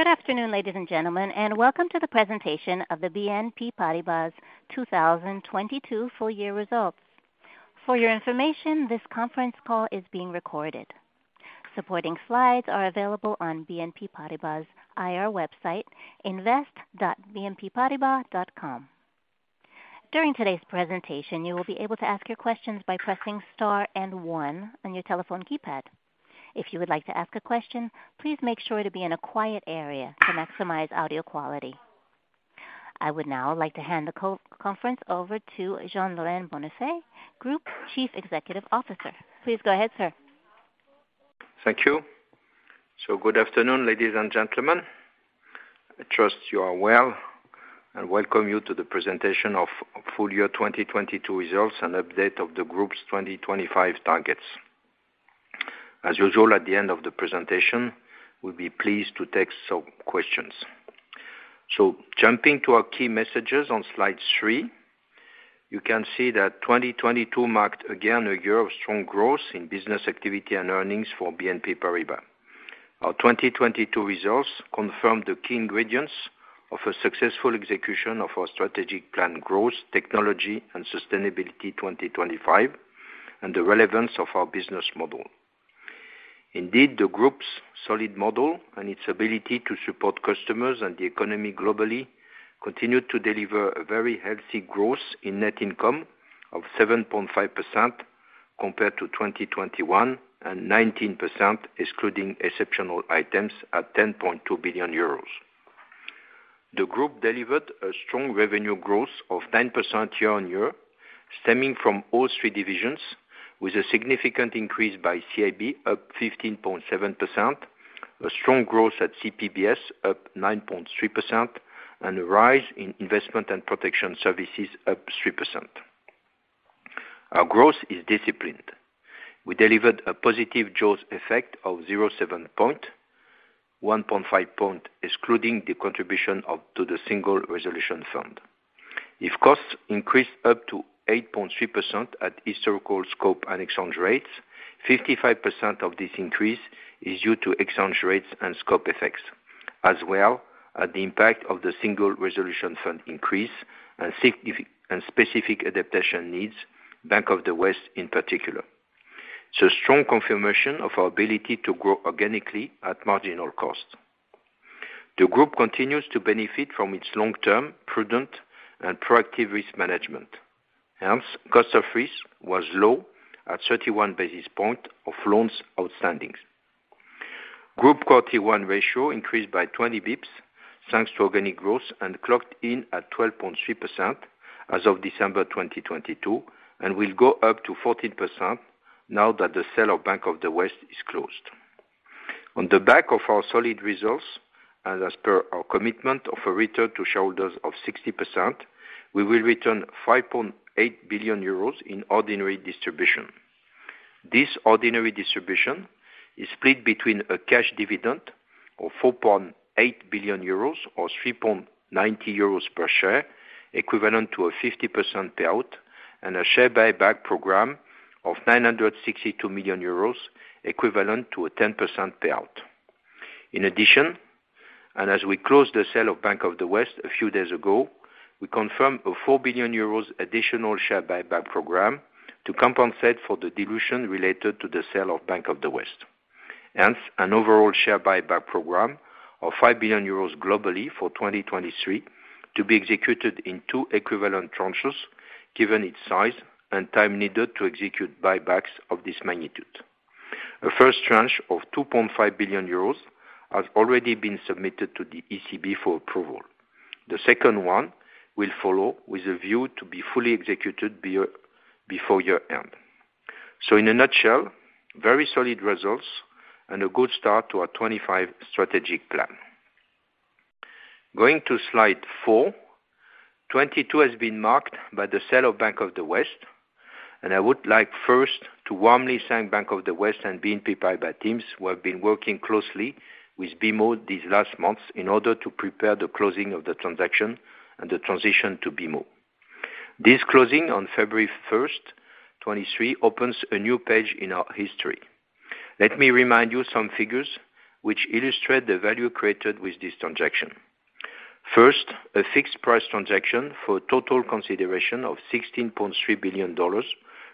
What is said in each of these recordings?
Good afternoon, ladies and gentlemen, welcome to the presentation of the BNP Paribas 2022 full year results. For your information, this conference call is being recorded. Supporting slides are available on BNP Paribas IR website, invest.bnpparibas.com. During today's presentation, you will be able to ask your questions by pressing star and one on your telephone keypad. If you would like to ask a question, please make sure to be in a quiet area to maximize audio quality. I would now like to hand the co-conference over to Jean-Laurent Bonnafé, Group Chief Executive Officer. Please go ahead, sir. Thank you. Good afternoon, ladies and gentlemen. I trust you are well, and welcome you to the presentation of full year 2022 results and update of the group's 2025 targets. As usual, at the end of the presentation, we'll be pleased to take some questions. Jumping to our key messages on slide three, you can see that 2022 marked again a year of strong growth in business activity and earnings for BNP Paribas. Our 2022 results confirmed the key ingredients of a successful execution of our strategic plan Growth, Technology, and Sustainability 2025, and the relevance of our business model. The group's solid model and its ability to support customers and the economy globally, continued to deliver a very healthy growth in net income of 7.5% compared to 2021, and 19% excluding exceptional items at 10.2 billion euros. The group delivered a strong revenue growth of 10% year-on-year, stemming from all three divisions with a significant increase by CIB up 15.7%, a strong growth at CPBS up 9.3%, and a rise in Investment & Protection Services up 3%. Our growth is disciplined. We delivered a positive jaws effect of 0.7 percentage points, 1.5 percentage points, excluding the contribution up to the Single Resolution Fund. If costs increased up to 8.3% at historical scope and exchange rates, 55% of this increase is due to exchange rates and scope effects, as well as the impact of the Single Resolution Fund increase and specific adaptation needs, Bank of the West in particular. Strong confirmation of our ability to grow organically at marginal cost. The group continues to benefit from its long-term, prudent and proactive risk management. Hence, cost of risk was low at 31 basis points of loans outstandings. Group Tier 1 ratio increased by 20 bips, thanks to organic growth, and clocked in at 12.3% as of December 2022, and will go up to 14% now that the sale of Bank of the West is closed. On the back of our solid results and as per our commitment of a return to shareholders of 60%, we will return 5.8 billion euros in ordinary distribution. This ordinary distribution is split between a cash dividend of 4.8 billion euros or 3.90 euros per share, equivalent to a 50% payout, and a share buyback program of 962 million euros, equivalent to a 10% payout. In addition, and as we close the sale of Bank of the West a few days ago, we confirmed a 4 billion euros additional share buyback program to compensate for the dilution related to the sale of Bank of the West. Hence, an overall share buyback program of 5 billion euros globally for 2023 to be executed in two equivalent tranches, given its size and time needed to execute buybacks of this magnitude. A first tranche of 2.5 billion euros has already been submitted to the ECB for approval. The second one will follow with a view to be fully executed before year-end. In a nutshell, very solid results and a good start to our 2025 strategic plan. Going to slide four. 2022 has been marked by the sale of Bank of the West. I would like first to warmly thank Bank of the West and BNP Paribas teams who have been working closely with BMO these last months in order to prepare the closing of the transaction and the transition to BMO. This closing on February 1st, 2023, opens a new page in our history. Let me remind you some figures which illustrate the value created with this transaction. First, a fixed-price transaction for a total consideration of $16.3 billion,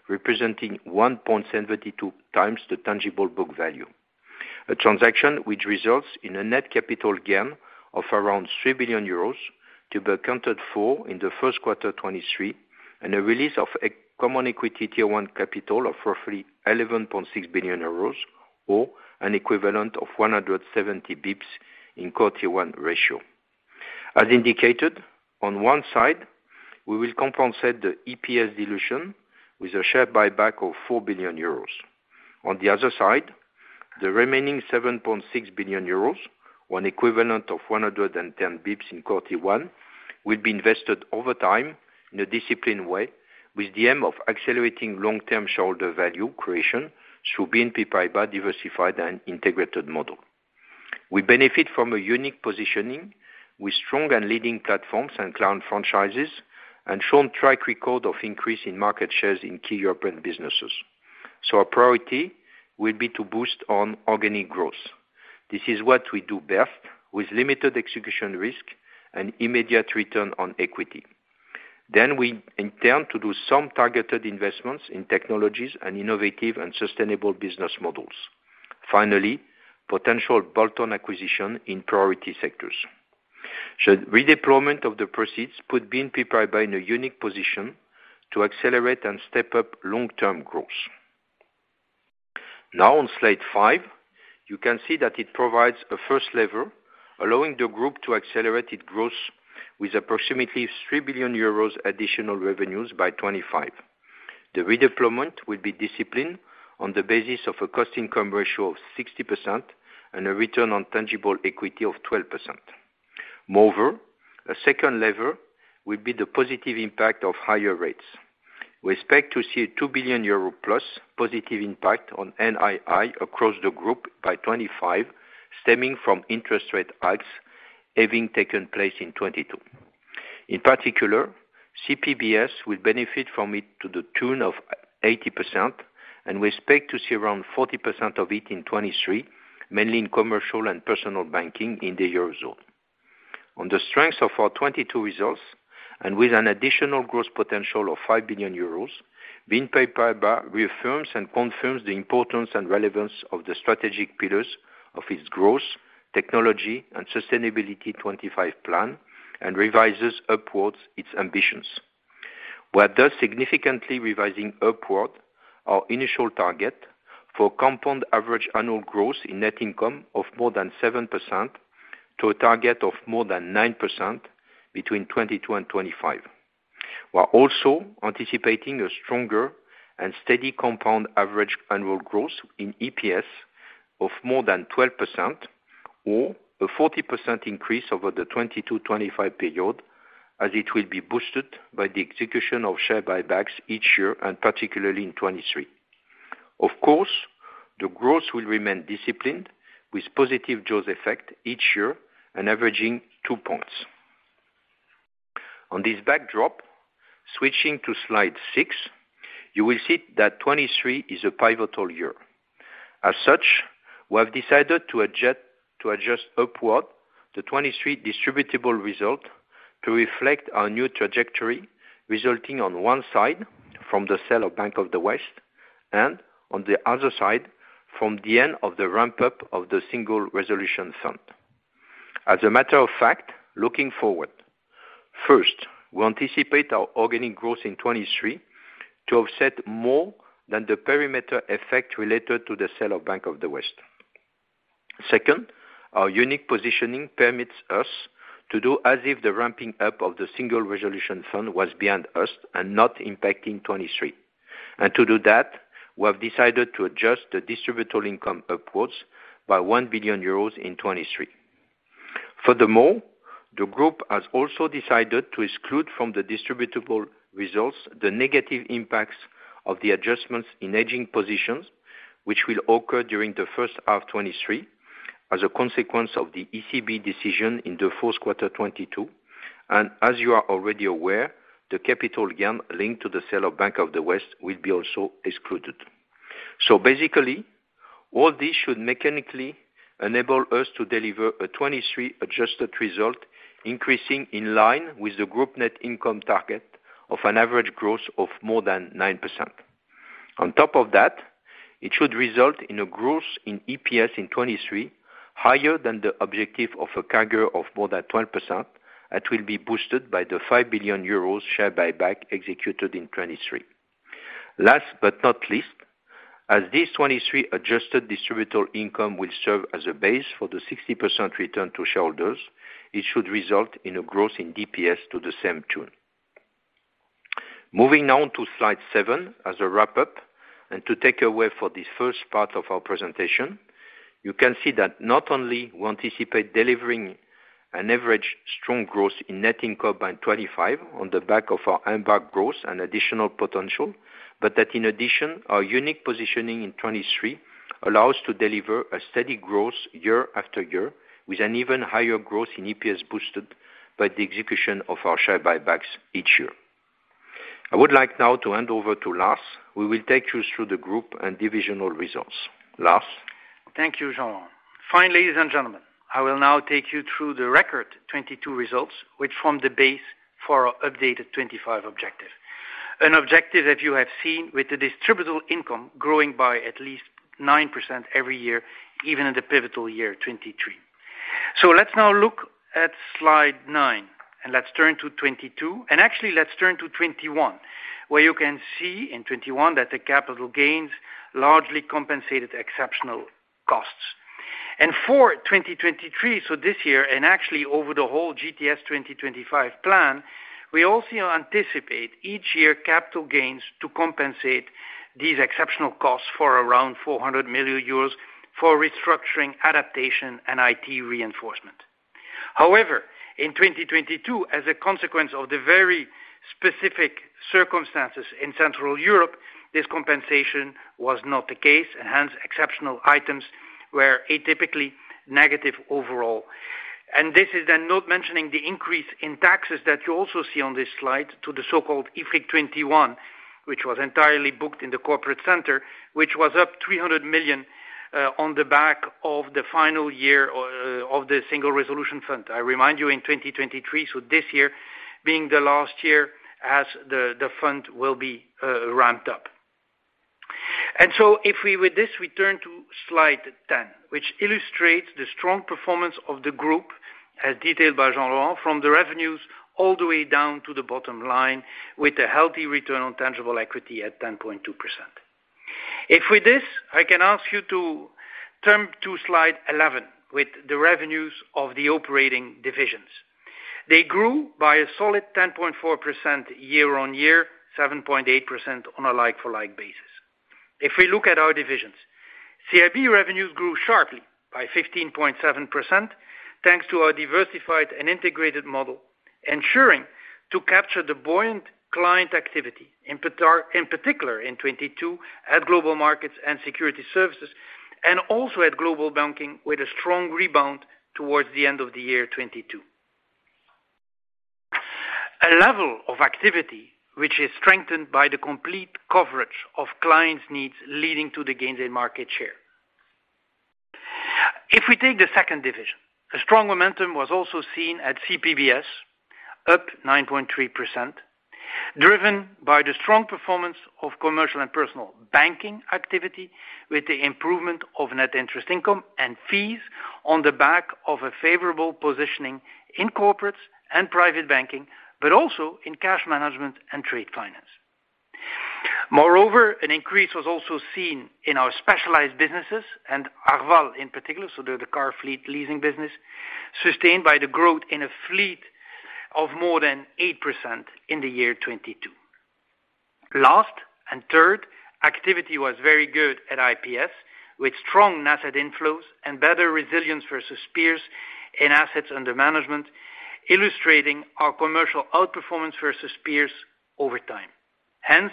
representing 1.72x the tangible book value. A transaction which results in a net capital gain of around 3 billion euros to be accounted for in the first quarter 2023, and a release of a Common Equity Tier 1 capital of roughly 11.6 billion euros, or an equivalent of 170 basis points in quarter one ratio. As indicated, on one side, we will compensate the EPS dilution with a share buyback of 4 billion euros. On the other side, the remaining 7.6 billion euros, one equivalent of 110 basis points in quarter one, will be invested over time in a disciplined way, with the aim of accelerating long-term shareholder value creation through BNP Paribas diversified and integrated model. We benefit from a unique positioning with strong and leading platforms and client franchises, and shown track record of increase in market shares in key European businesses. Our priority will be to boost on organic growth. This is what we do best with limited execution risk and immediate return on equity. We intend to do some targeted investments in technologies and innovative and sustainable business models. Potential bolt-on acquisition in priority sectors. Should redeployment of the proceeds put BNP Paribas in a unique position to accelerate and step up long-term growth. On slide five, you can see that it provides a first lever, allowing the group to accelerate its growth with approximately 3 billion euros additional revenues by 2025. The redeployment will be disciplined on the basis of a cost income ratio of 60% and a return on tangible equity of 12%. A second lever will be the positive impact of higher rates. We expect to see a 2 billion euro+ positive impact on NII across the group by 2025, stemming from interest rate hikes having taken place in 2022. In particular, CPBS will benefit from it to the tune of 80%, and we expect to see around 40% of it in 2023, mainly in commercial and personal banking in the Eurozone. On the strength of our 2022 results and with an additional growth potential of 5 billion euros, BNP Paribas reaffirms and confirms the importance and relevance of the strategic pillars of its Growth, Technology, and Sustainability 2025 plan, and revises upwards its ambitions. We're thus significantly revising upward our initial target for compound average annual growth in net income of more than 7% to a target of more than 9% between 2022 and 2025. We're also anticipating a stronger and steady compound average annual growth in EPS of more than 12%, or a 40% increase over the 2022-2025 period, as it will be boosted by the execution of share buybacks each year, and particularly in 2023. The growth will remain disciplined with positive jaws effect each year and averaging two points. On this backdrop, switching to slide six, you will see that 2023 is a pivotal year. We have decided to adjust upward the 2023 distributable result to reflect our new trajectory, resulting on one side from the sale of Bank of the West and on the other side from the end of the ramp-up of the Single Resolution Fund. As a matter of fact, looking forward, first, we anticipate our organic growth in 2023 to offset more than the perimeter effect related to the sale of Bank of the West. Second, our unique positioning permits us to do as if the ramping up of the Single Resolution Fund was behind us and not impacting 2023. To do that, we have decided to adjust the distributable income upwards by 1 billion euros in 2023. Furthermore, the group has also decided to exclude from the distributable results the negative impacts of the adjustments in hedging positions which will occur during the first half 2023 as a consequence of the ECB decision in the fourth quarter 2022. As you are already aware, the capital gain linked to the sale of Bank of the West will be also excluded. Basically, all this should mechanically enable us to deliver a 2023 adjusted result, increasing in line with the group net income target of an average growth of more than 9%. On top of that, it should result in a growth in EPS in 2023 higher than the objective of a CAGR of more than 12% that will be boosted by the 5 billion euros share buyback executed in 2023. Last but not least, as this 2023 adjusted distributable income will serve as a base for the 60% return to shareholders, it should result in a growth in DPS to the same tune. Moving on to slide seven as a wrap-up and to take away for this first part of our presentation, you can see that not only we anticipate delivering an average strong growth in net income by 2025 on the back of our embark growth and additional potential, but that in addition, our unique positioning in 2023 allows to deliver a steady growth year after year with an even higher growth in EPS boosted by the execution of our share buybacks each year. I would like now to hand over to Lars, who will take you through the group and divisional results. Lars? Thank you, Jean-Laurent. Fine ladies and gentlemen, I will now take you through the record 2022 results, which form the base for our updated 2025 objective. An objective that you have seen with the distributable income growing by at least 9% every year, even in the pivotal year 2023. Let's now look at slide nine, and let's turn to 2022. Actually, let's turn to 2021, where you can see in 2021 that the capital gains largely compensated exceptional costs. For 2023, so this year, actually over the whole GTS 2025 plan, we also anticipate each year capital gains to compensate these exceptional costs for around 400 million euros for restructuring, adaptation, and IT reinforcement. However, in 2022, as a consequence of the very specific circumstances in Central Europe, this compensation was not the case, hence, exceptional items were atypically negative overall. This is then not mentioning the increase in taxes that you also see on this slide to the so-called IFRIC 21, which was entirely booked in the corporate center, which was up 300 million on the back of the final year of the Single Resolution Fund. I remind you in 2023, so this year being the last year as the fund will be ramped up. If we with this, we turn to slide 10, which illustrates the strong performance of the group as detailed by Jean-Laurent from the revenues all the way down to the bottom line, with a healthy return on tangible equity at 10.2%. If with this, I can ask you to turn to slide 11 with the revenues of the operating divisions. They grew by a solid 10.4% year-on-year, 7.8% on a like-for-like basis. If we look at our divisions, CIB revenues grew sharply by 15.7%, thanks to our diversified and integrated model, ensuring to capture the buoyant client activity, in particular in 2022 at Global Markets and Securities Services, and also at Global Banking with a strong rebound towards the end of the year 2022. A level of activity which is strengthened by the complete coverage of clients' needs, leading to the gains in market share. If we take the second division, a strong momentum was also seen at CPBS, up 9.3%, driven by the strong performance of commercial and personal banking activity with the improvement of net interest income and fees on the back of a favorable positioning in corporates and private banking, but also in cash management and trade finance. Moreover, an increase was also seen in our specialized businesses and Arval in particular, so they're the car fleet leasing business, sustained by the growth in a fleet of more than 8% in the year 2022. Last and third, activity was very good at IPS, with strong asset inflows and better resilience versus peers in assets under management, illustrating our commercial outperformance versus peers over time. Hence,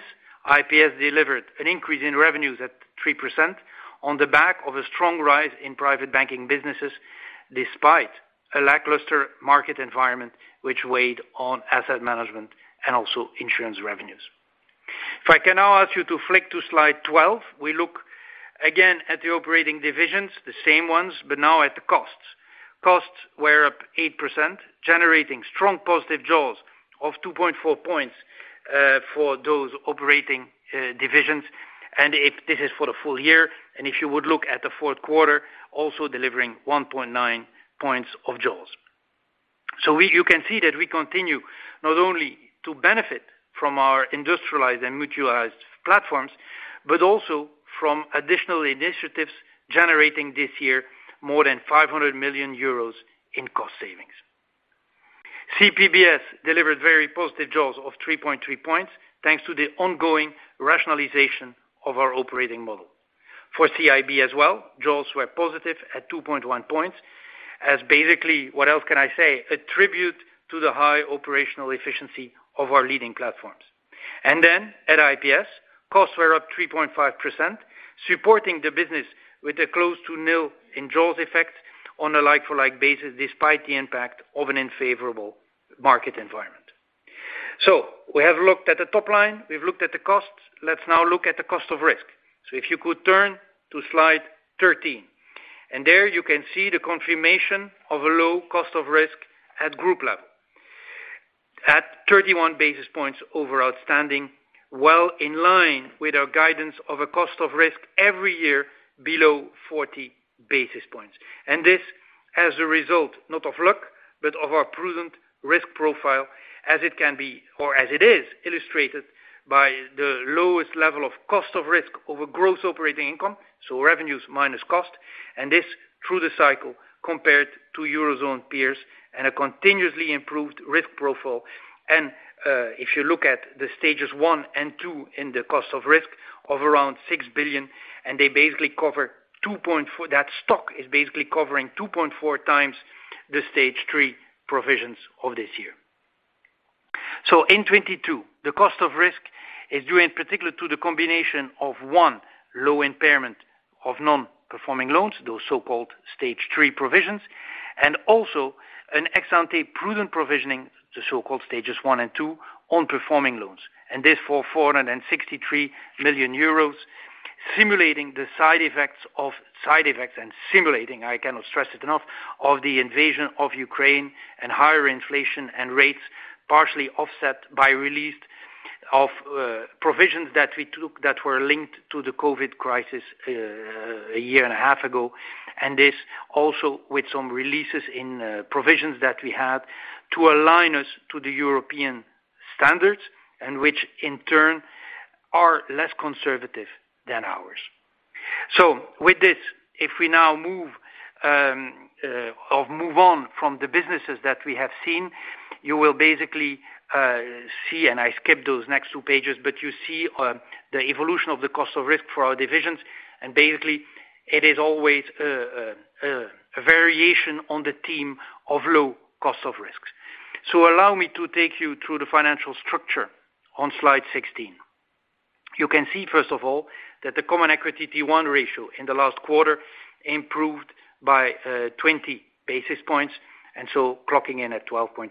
IPS delivered an increase in revenues at 3% on the back of a strong rise in private banking businesses, despite a lackluster market environment which weighed on asset management and also insurance revenues. If I can now ask you to flick to slide 12, we look again at the operating divisions, the same ones, but now at the costs. Costs were up 8%, generating strong positive jaws of 2.4 points for those operating divisions. If this is for the full year, and if you would look at the fourth quarter, also delivering 1.9 points of jaws. You can see that we continue not only to benefit from our industrialized and mutualized platforms, but also from additional initiatives generating this year more than 500 million euros in cost savings. CPBS delivered very positive jaws of 3.3 points, thanks to the ongoing rationalization of our operating model. CIB as well, jaws were positive at 2.1 points as basically, what else can I say, attribute to the high operational efficiency of our leading platforms. At IPS, costs were up 3.5%, supporting the business with a close to nil in jaws effect on a like-for-like basis, despite the impact of an unfavorable market environment. We have looked at the top line, we've looked at the costs, let's now look at the cost of risk. If you could turn to slide 13, there you can see the confirmation of a low cost of risk at group level. At 31 basis points over outstanding, well in line with our guidance of a cost of risk every year below 40 basis points. This as a result, not of luck, but of our prudent risk profile as it can be or as it is illustrated by the lowest level of cost of risk over gross operating income, so revenues minus cost, and this through the cycle compared to Eurozone peers and a continuously improved risk profile. If you look at the Stages 1 and 2 in the cost of risk of around 6 billion, they basically cover 2.4x the Stage 3 provisions of this year. In 2022, the cost of risk is due in particular to the combination of, one, low impairment of non-performing loans, those so-called Stage 3 provisions, and also an ex ante prudent provisioning, the so-called Stages 1 and 2 on performing loans. This for 463 million euros, simulating the side effects of, and simulating, I cannot stress it enough, of the invasion of Ukraine and higher inflation and rates, partially offset by release of provisions that we took that were linked to the COVID crisis a year and a half ago. This also with some releases in provisions that we had to align us to the European standards and which in turn are less conservative than ours. With this, if we now move or move on from the businesses that we have seen, you will basically see, and I skipped those next two pages, but you see the evolution of the cost of risk for our divisions, and basically it is always a variation on the theme of low cost of risks. Allow me to take you through the financial structure on slide 16. You can see, first of all, that the Common Equity Tier 1 ratio in the last quarter improved by 20 basis points, clocking in at 12.3%.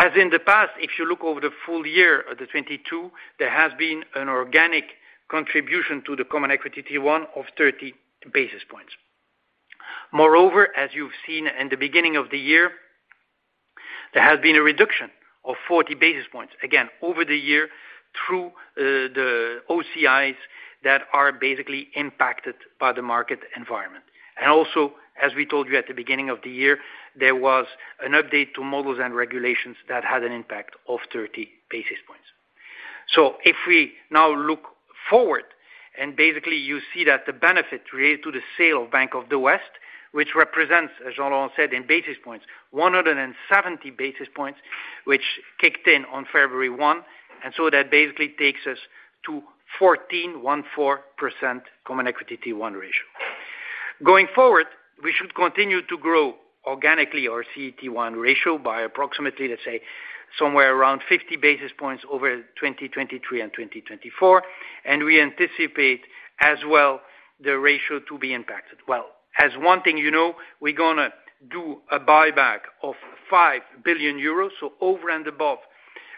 As in the past, if you look over the full year of 2022, there has been an organic contribution to the Common Equity Tier 1 of 30 basis points. Moreover, as you've seen in the beginning of the year, there has been a reduction of 40 basis points, again over the year through the OCIs that are basically impacted by the market environment. Also, as we told you at the beginning of the year, there was an update to models and regulations that had an impact of 30 basis points. If we now look forward, basically you see that the benefit related to the sale of Bank of the West, which represents, as Jean-Laurent said in basis points, 170 basis points, which kicked in on February 1. That basically takes us to 14.14% Common Equity Tier 1 ratio. Going forward, we should continue to grow organically our CET1 ratio by approximately, let's say, somewhere around 50 basis points over 2023 and 2024. We anticipate as well the ratio to be impacted. Well, as one thing you know, we're gonna do a buyback of 5 billion euros. Over and above,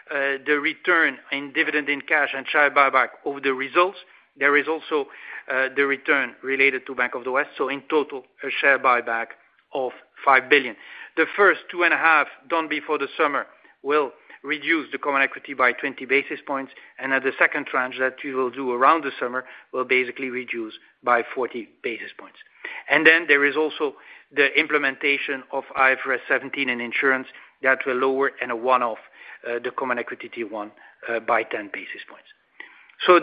the return in dividend in cash and share buyback of the results, there is also the return related to Bank of the West. In total, a share buyback of 5 billion. The first 2.5 done before the summer will reduce the Common Equity by 20 basis points. At the 2nd tranche that we will do around the summer, will basically reduce by 40 basis points. There is also the implementation of IFRS 17 in insurance that will lower in a 1-off the Common Equity Tier 1 by 10 basis points.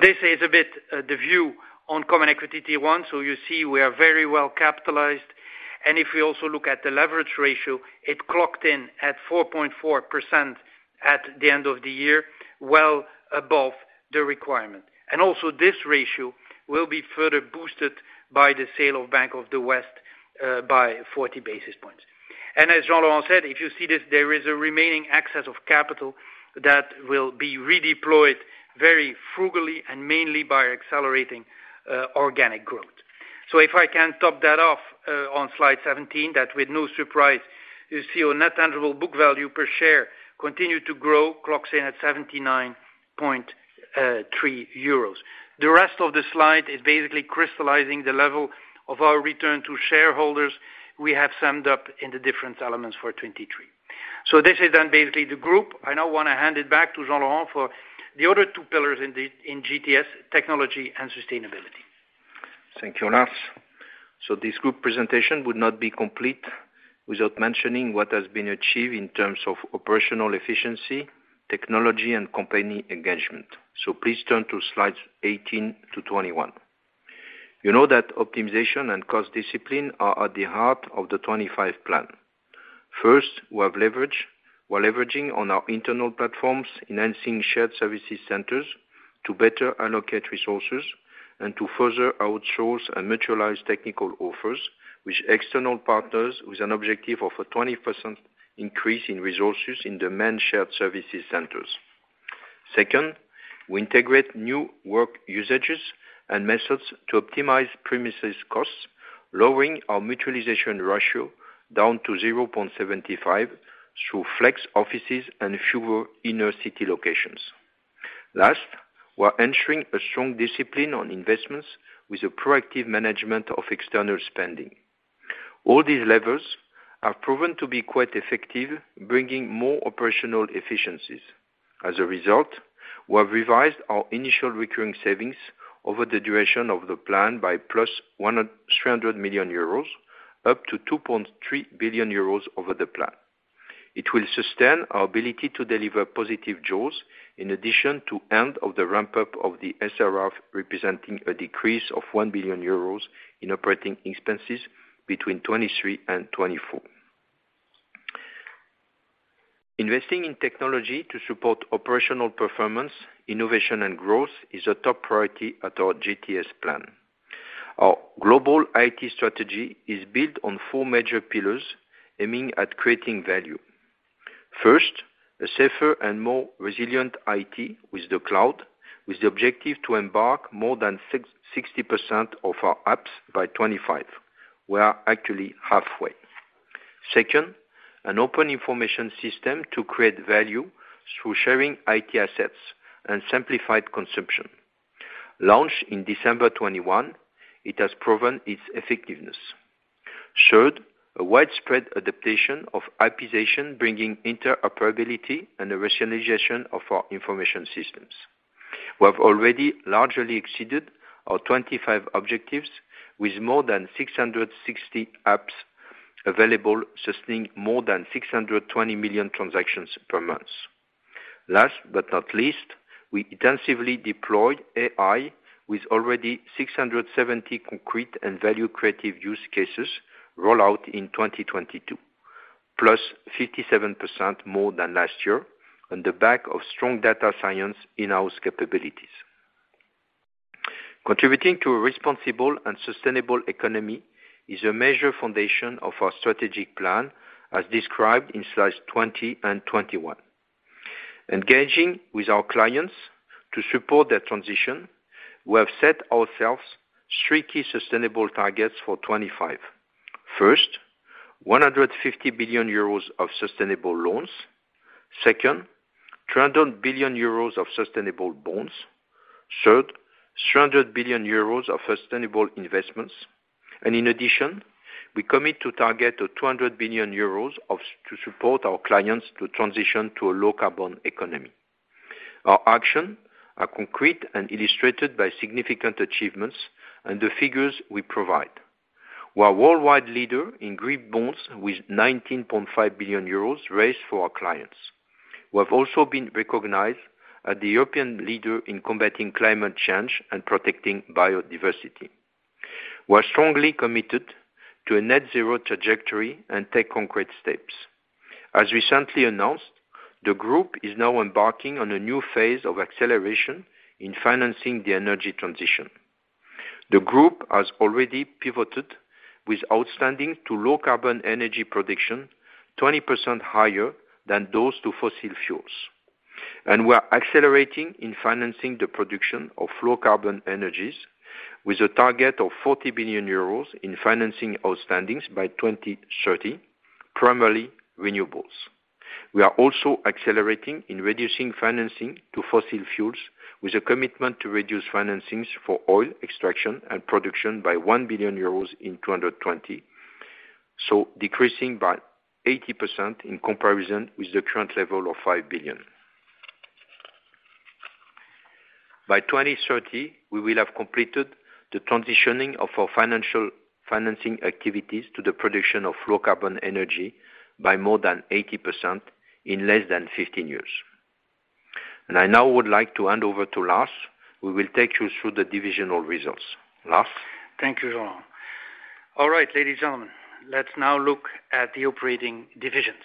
This is a bit the view on Common Equity Tier 1, so you see we are very well capitalized. If we also look at the leverage ratio, it clocked in at 4.4% at the end of the year, well above the requirement. Also this ratio will be further boosted by the sale of Bank of the West by 40 basis points. As Jean-Laurent said, if you see this, there is a remaining excess of capital that will be redeployed very frugally and mainly by accelerating organic growth. If I can top that off on slide 17, that with no surprise, you see our net tangible book value per share continue to grow, clocks in at 79.3 euros. The rest of the slide is basically crystallizing the level of our return to shareholders, we have summed up in the different elements for 2023. This is then basically the group. I now wanna hand it back to Jean-Laurent for the other two pillars in the, in GTS technology and sustainability. Thank you, Lars. This group presentation would not be complete without mentioning what has been achieved in terms of operational efficiency, technology, and company engagement. Please turn to slides 18-21. You know that optimization and cost discipline are at the heart of the 2025 plan. First, we're leveraging on our internal platforms, enhancing shared services centers to better allocate resources and to further outsource and materialize technical offers with external partners with an objective of a 20% increase in resources in the managed shared services centers. Second, we integrate new work usages and methods to optimize premises costs, lowering our mutualization ratio down to 0.75 through flex offices and fewer inner-city locations. Last, we're ensuring a strong discipline on investments with a proactive management of external spending. All these levers have proven to be quite effective, bringing more operational efficiencies. As a result, we have revised our initial recurring savings over the duration of the plan by +300 million euros, up to 2.3 billion euros over the plan. It will sustain our ability to deliver positive jaws, in addition to end of the ramp-up of the SRF, representing a decrease of 1 billion euros in operating expenses between 2023 and 2024. Investing in technology to support operational performance, innovation, and growth is a top priority at our GTS plan. Our global IT strategy is built on four major pillars, aiming at creating value. First, a safer and more resilient IT with the cloud, with the objective to embark more than 60% of our apps by 2025. We are actually halfway. Second, an open information system to create value through sharing IT assets and simplified consumption. Launched in December 2021, it has proven its effectiveness. Third, a widespread adaptation of API-ization, bringing interoperability and the rationalization of our information systems. We have already largely exceeded our 2025 objectives with more than 660 apps available, sustaining more than 620 million transactions per month. Last but not least, we intensively deployed AI with already 670 concrete and value-creative use cases rolled out in 2022, plus 57% more than last year on the back of strong data science in-house capabilities. Contributing to a responsible and sustainable economy is a major foundation of our strategic plan, as described in slides 20 and 21. Engaging with our clients to support their transition, we have set ourselves three key sustainable targets for 2025. First, 150 billion euros of sustainable loans. Second, 300 billion euros of sustainable bonds. Third, 300 billion euros of sustainable investments. In addition, we commit to target 200 billion euros to support our clients to transition to a low carbon economy. Our action are concrete and illustrated by significant achievements and the figures we provide. We're a worldwide leader in green bonds with 19.5 billion euros raised for our clients. We have also been recognized as the European leader in combating climate change and protecting biodiversity. We are strongly committed to a net zero trajectory and take concrete steps. As recently announced, the group is now embarking on a new phase of acceleration in financing the energy transition. The group has already pivoted with outstanding to low carbon energy production 20% higher than those to fossil fuels. We're accelerating in financing the production of low carbon energies with a target of 40 billion euros in financing outstandings by 2030, primarily renewables. We are also accelerating in reducing financing to fossil fuels with a commitment to reduce financings for oil extraction and production by 1 billion euros in 2020, so decreasing by 80% in comparison with the current level of 5 billion. By 2030, we will have completed the transitioning of our financial financing activities to the production of low carbon energy by more than 80% in less than 15 years. I now would like to hand over to Lars, who will take you through the divisional results. Lars? Thank you, Jean. All right, ladies and gentlemen, let's now look at the operating divisions.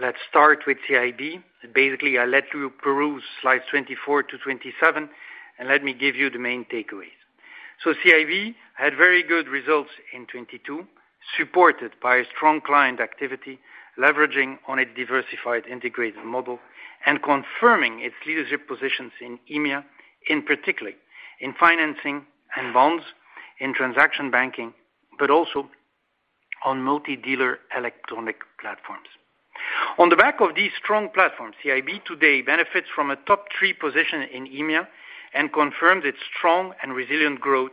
Let's start with CIB. Basically, I'll let you peruse slides 24-27, and let me give you the main takeaways. CIB had very good results in 2022, supported by strong client activity, leveraging on a diversified integrated model, and confirming its leadership positions in EMEA, in particular in financing and bonds, in transaction banking, but also on multidealer electronic platforms. On the back of these strong platforms, CIB today benefits from a top-three position in EMEA and confirms its strong and resilient growth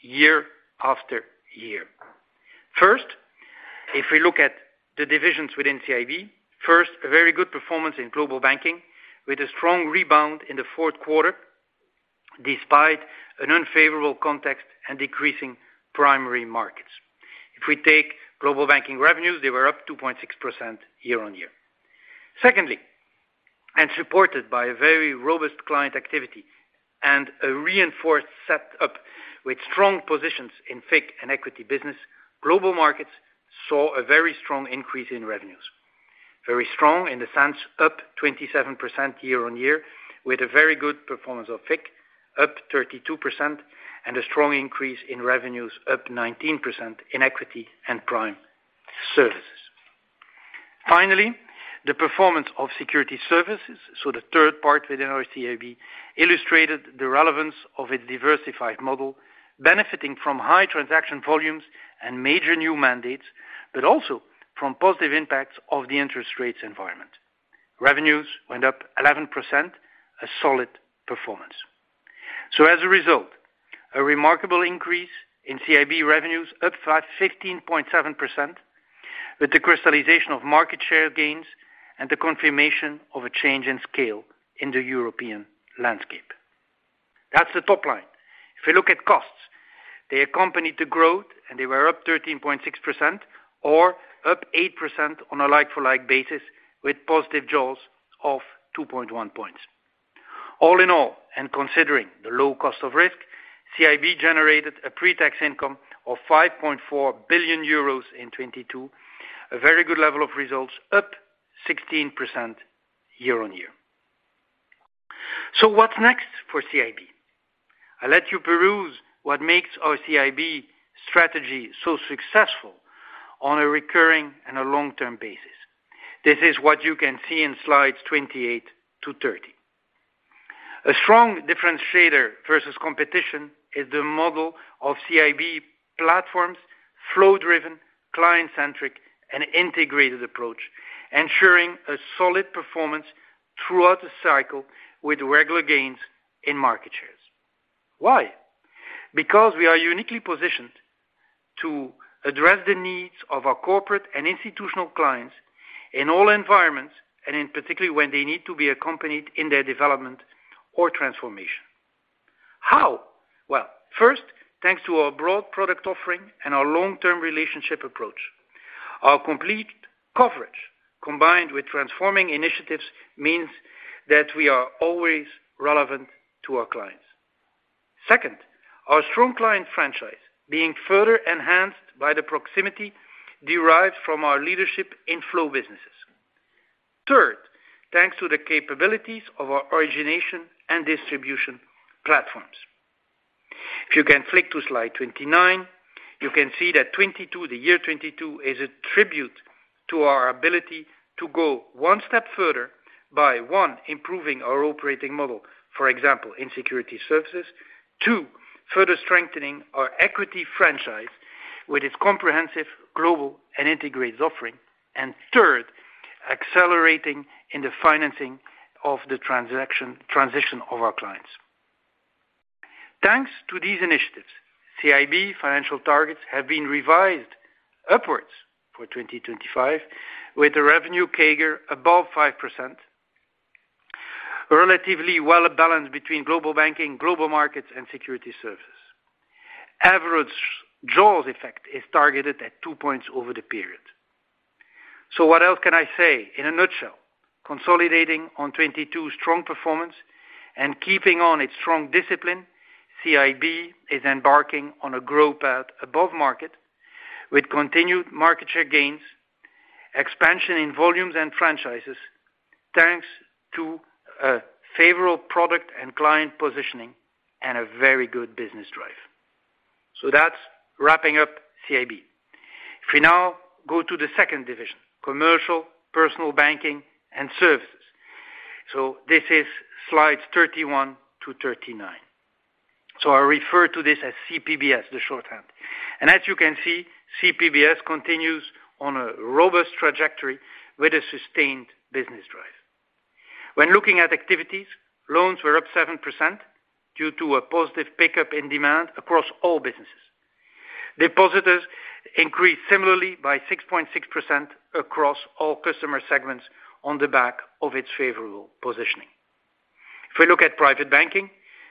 year after year. First, if we look at the divisions within CIB, first, a very good performance in Global Banking with a strong rebound in the fourth quarter, despite an unfavorable context and decreasing primary markets. If we take Global Banking revenues, they were up 2.6% year-on-year. Secondly, supported by a very robust client activity and a reinforced set up with strong positions in FIC and equity business, Global Markets saw a very strong increase in revenues. Very strong in the sense up 27% year-on-year, with a very good performance of FIC up 32% and a strong increase in revenues up 19% in equity and prime services. Finally, the performance of Security Services, so the third part within our CIB, illustrated the relevance of its diversified model, benefiting from high transaction volumes and major new mandates, but also from positive impacts of the interest rates environment. Revenues went up 11%, a solid performance. As a result, a remarkable increase in CIB revenues up to 15.7% with the crystallization of market share gains and the confirmation of a change in scale in the European landscape. That's the top line. If you look at costs, they accompanied the growth, and they were up 13.6% or up 8% on a like-for-like basis with positive jaws of 2.1 points. All in all, and considering the low cost of risk, CIB generated a pre-tax income of 5.4 billion euros in 2022, a very good level of results, up 16% year-on-year. What's next for CIB? I'll let you peruse what makes our CIB strategy so successful on a recurring and a long-term basis. This is what you can see in slides 28 to 30. A strong differentiator versus competition is the model of CIB platforms, flow-driven, client-centric, and integrated approach, ensuring a solid performance throughout the cycle with regular gains in market shares. Why? We are uniquely positioned to address the needs of our corporate and institutional clients in all environments, and in particular when they need to be accompanied in their development or transformation. How? Well, first, thanks to our broad product offering and our long-term relationship approach. Our complete coverage, combined with transforming initiatives, means that we are always relevant to our clients. Second, our strong client franchise being further enhanced by the proximity derived from our leadership in flow businesses. Third, thanks to the capabilities of our origination and distribution platforms. If you can flick to slide 29, you can see that 2022, the year 2022 is a tribute to our ability to go one step further by, one, improving our operating model, for example, in Securities Services. Two, further strengthening our equity franchise with its comprehensive global and integrated offering. Third, accelerating in the financing of the transaction transition of our clients. Thanks to these initiatives, CIB financial targets have been revised upwards for 2025, with a revenue CAGR above 5%. Relatively well balanced between Global Banking, Global Markets and Securities Services. Average jaws effect is targeted at two points over the period. What else can I say? In a nutshell, consolidating on 2022 strong performance and keeping on its strong discipline, CIB is embarking on a growth path above market with continued market share gains, expansion in volumes and franchises, thanks to favorable product and client positioning and a very good business drive. That's wrapping up CIB. If we now go to the second division, Commercial Personal Banking and Services. This is slides 31-39. I refer to this as CPBS, the shorthand. As you can see, CPBS continues on a robust trajectory with a sustained business drive. When looking at activities, loans were up 7% due to a positive pickup in demand across all businesses. Depositors increased similarly by 6.6% across all customer segments on the back of its favorable positioning. If we look at private banking,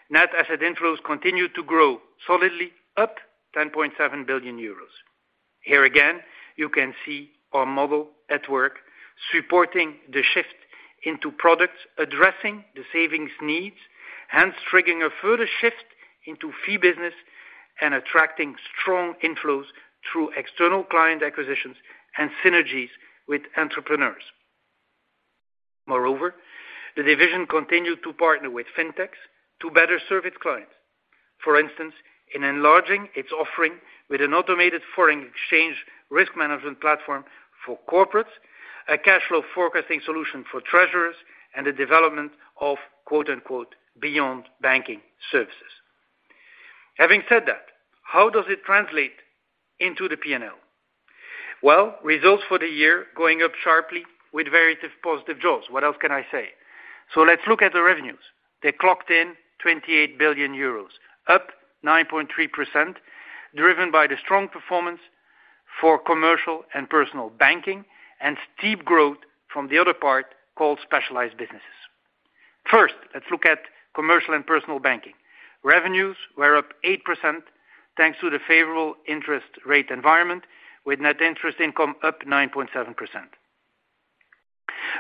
net asset inflows continued to grow solidly, up 10.7 billion euros. Here again, you can see our model at work supporting the shift into products, addressing the savings needs, hence triggering a further shift into fee business and attracting strong inflows through external client acquisitions and synergies with entrepreneurs. Moreover, the division continued to partner with Fintechs to better serve its clients. For instance, in enlarging its offering with an automated foreign exchange risk management platform for corporates, a cash flow forecasting solution for treasurers, and the development of quote unquote, "beyond banking services." Having said that, how does it translate into the P&L? Well, results for the year going up sharply with very positive jaws. What else can I say? Let's look at the revenues. They clocked in 28 billion euros, up 9.3%, driven by the strong performance for Commercial and Personal Banking, and steep growth from the other part called specialized businesses. First, let's look at Commercial and Personal Banking. Revenues were up 8% thanks to the favorable interest rate environment, with net interest income up 9.7%.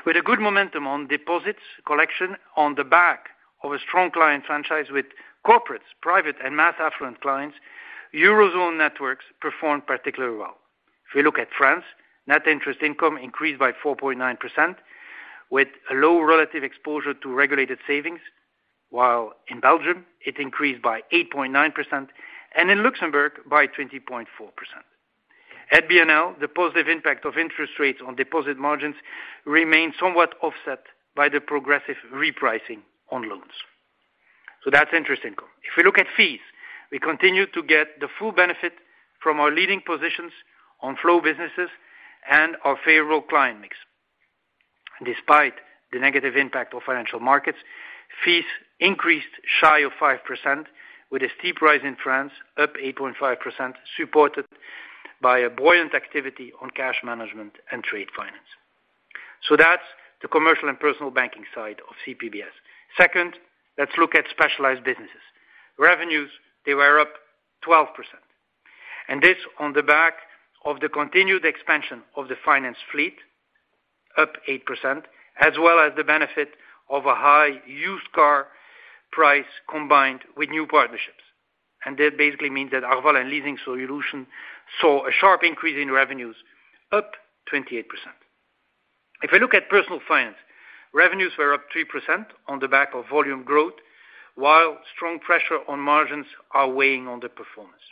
With a good momentum on deposits collection on the back of a strong client franchise with corporates, private and mass affluent clients, Eurozone networks performed particularly well. If we look at France, net interest income increased by 4.9%, with a low relative exposure to regulated savings, while in Belgium it increased by 8.9% and in Luxembourg by 20.4%. At BNL, the positive impact of interest rates on deposit margins remained somewhat offset by the progressive repricing on loans. That's interesting. If we look at fees, we continue to get the full benefit from our leading positions on flow businesses and our favorable client mix. Despite the negative impact of financial markets, fees increased shy of 5% with a steep rise in France up 8.5%, supported by a buoyant activity on cash management and trade finance. That's the commercial and personal banking side of CPBS. Second, let's look at specialized businesses. Revenues, they were up 12%, this on the back of the continued expansion of the finance fleet, up 8%, as well as the benefit of a high used car price combined with new partnerships. That basically means that Arval and Leasing Solutions saw a sharp increase in revenues up 28%. If you look at Personal Finance, revenues were up 3% on the back of volume growth, while strong pressure on margins are weighing on the performance.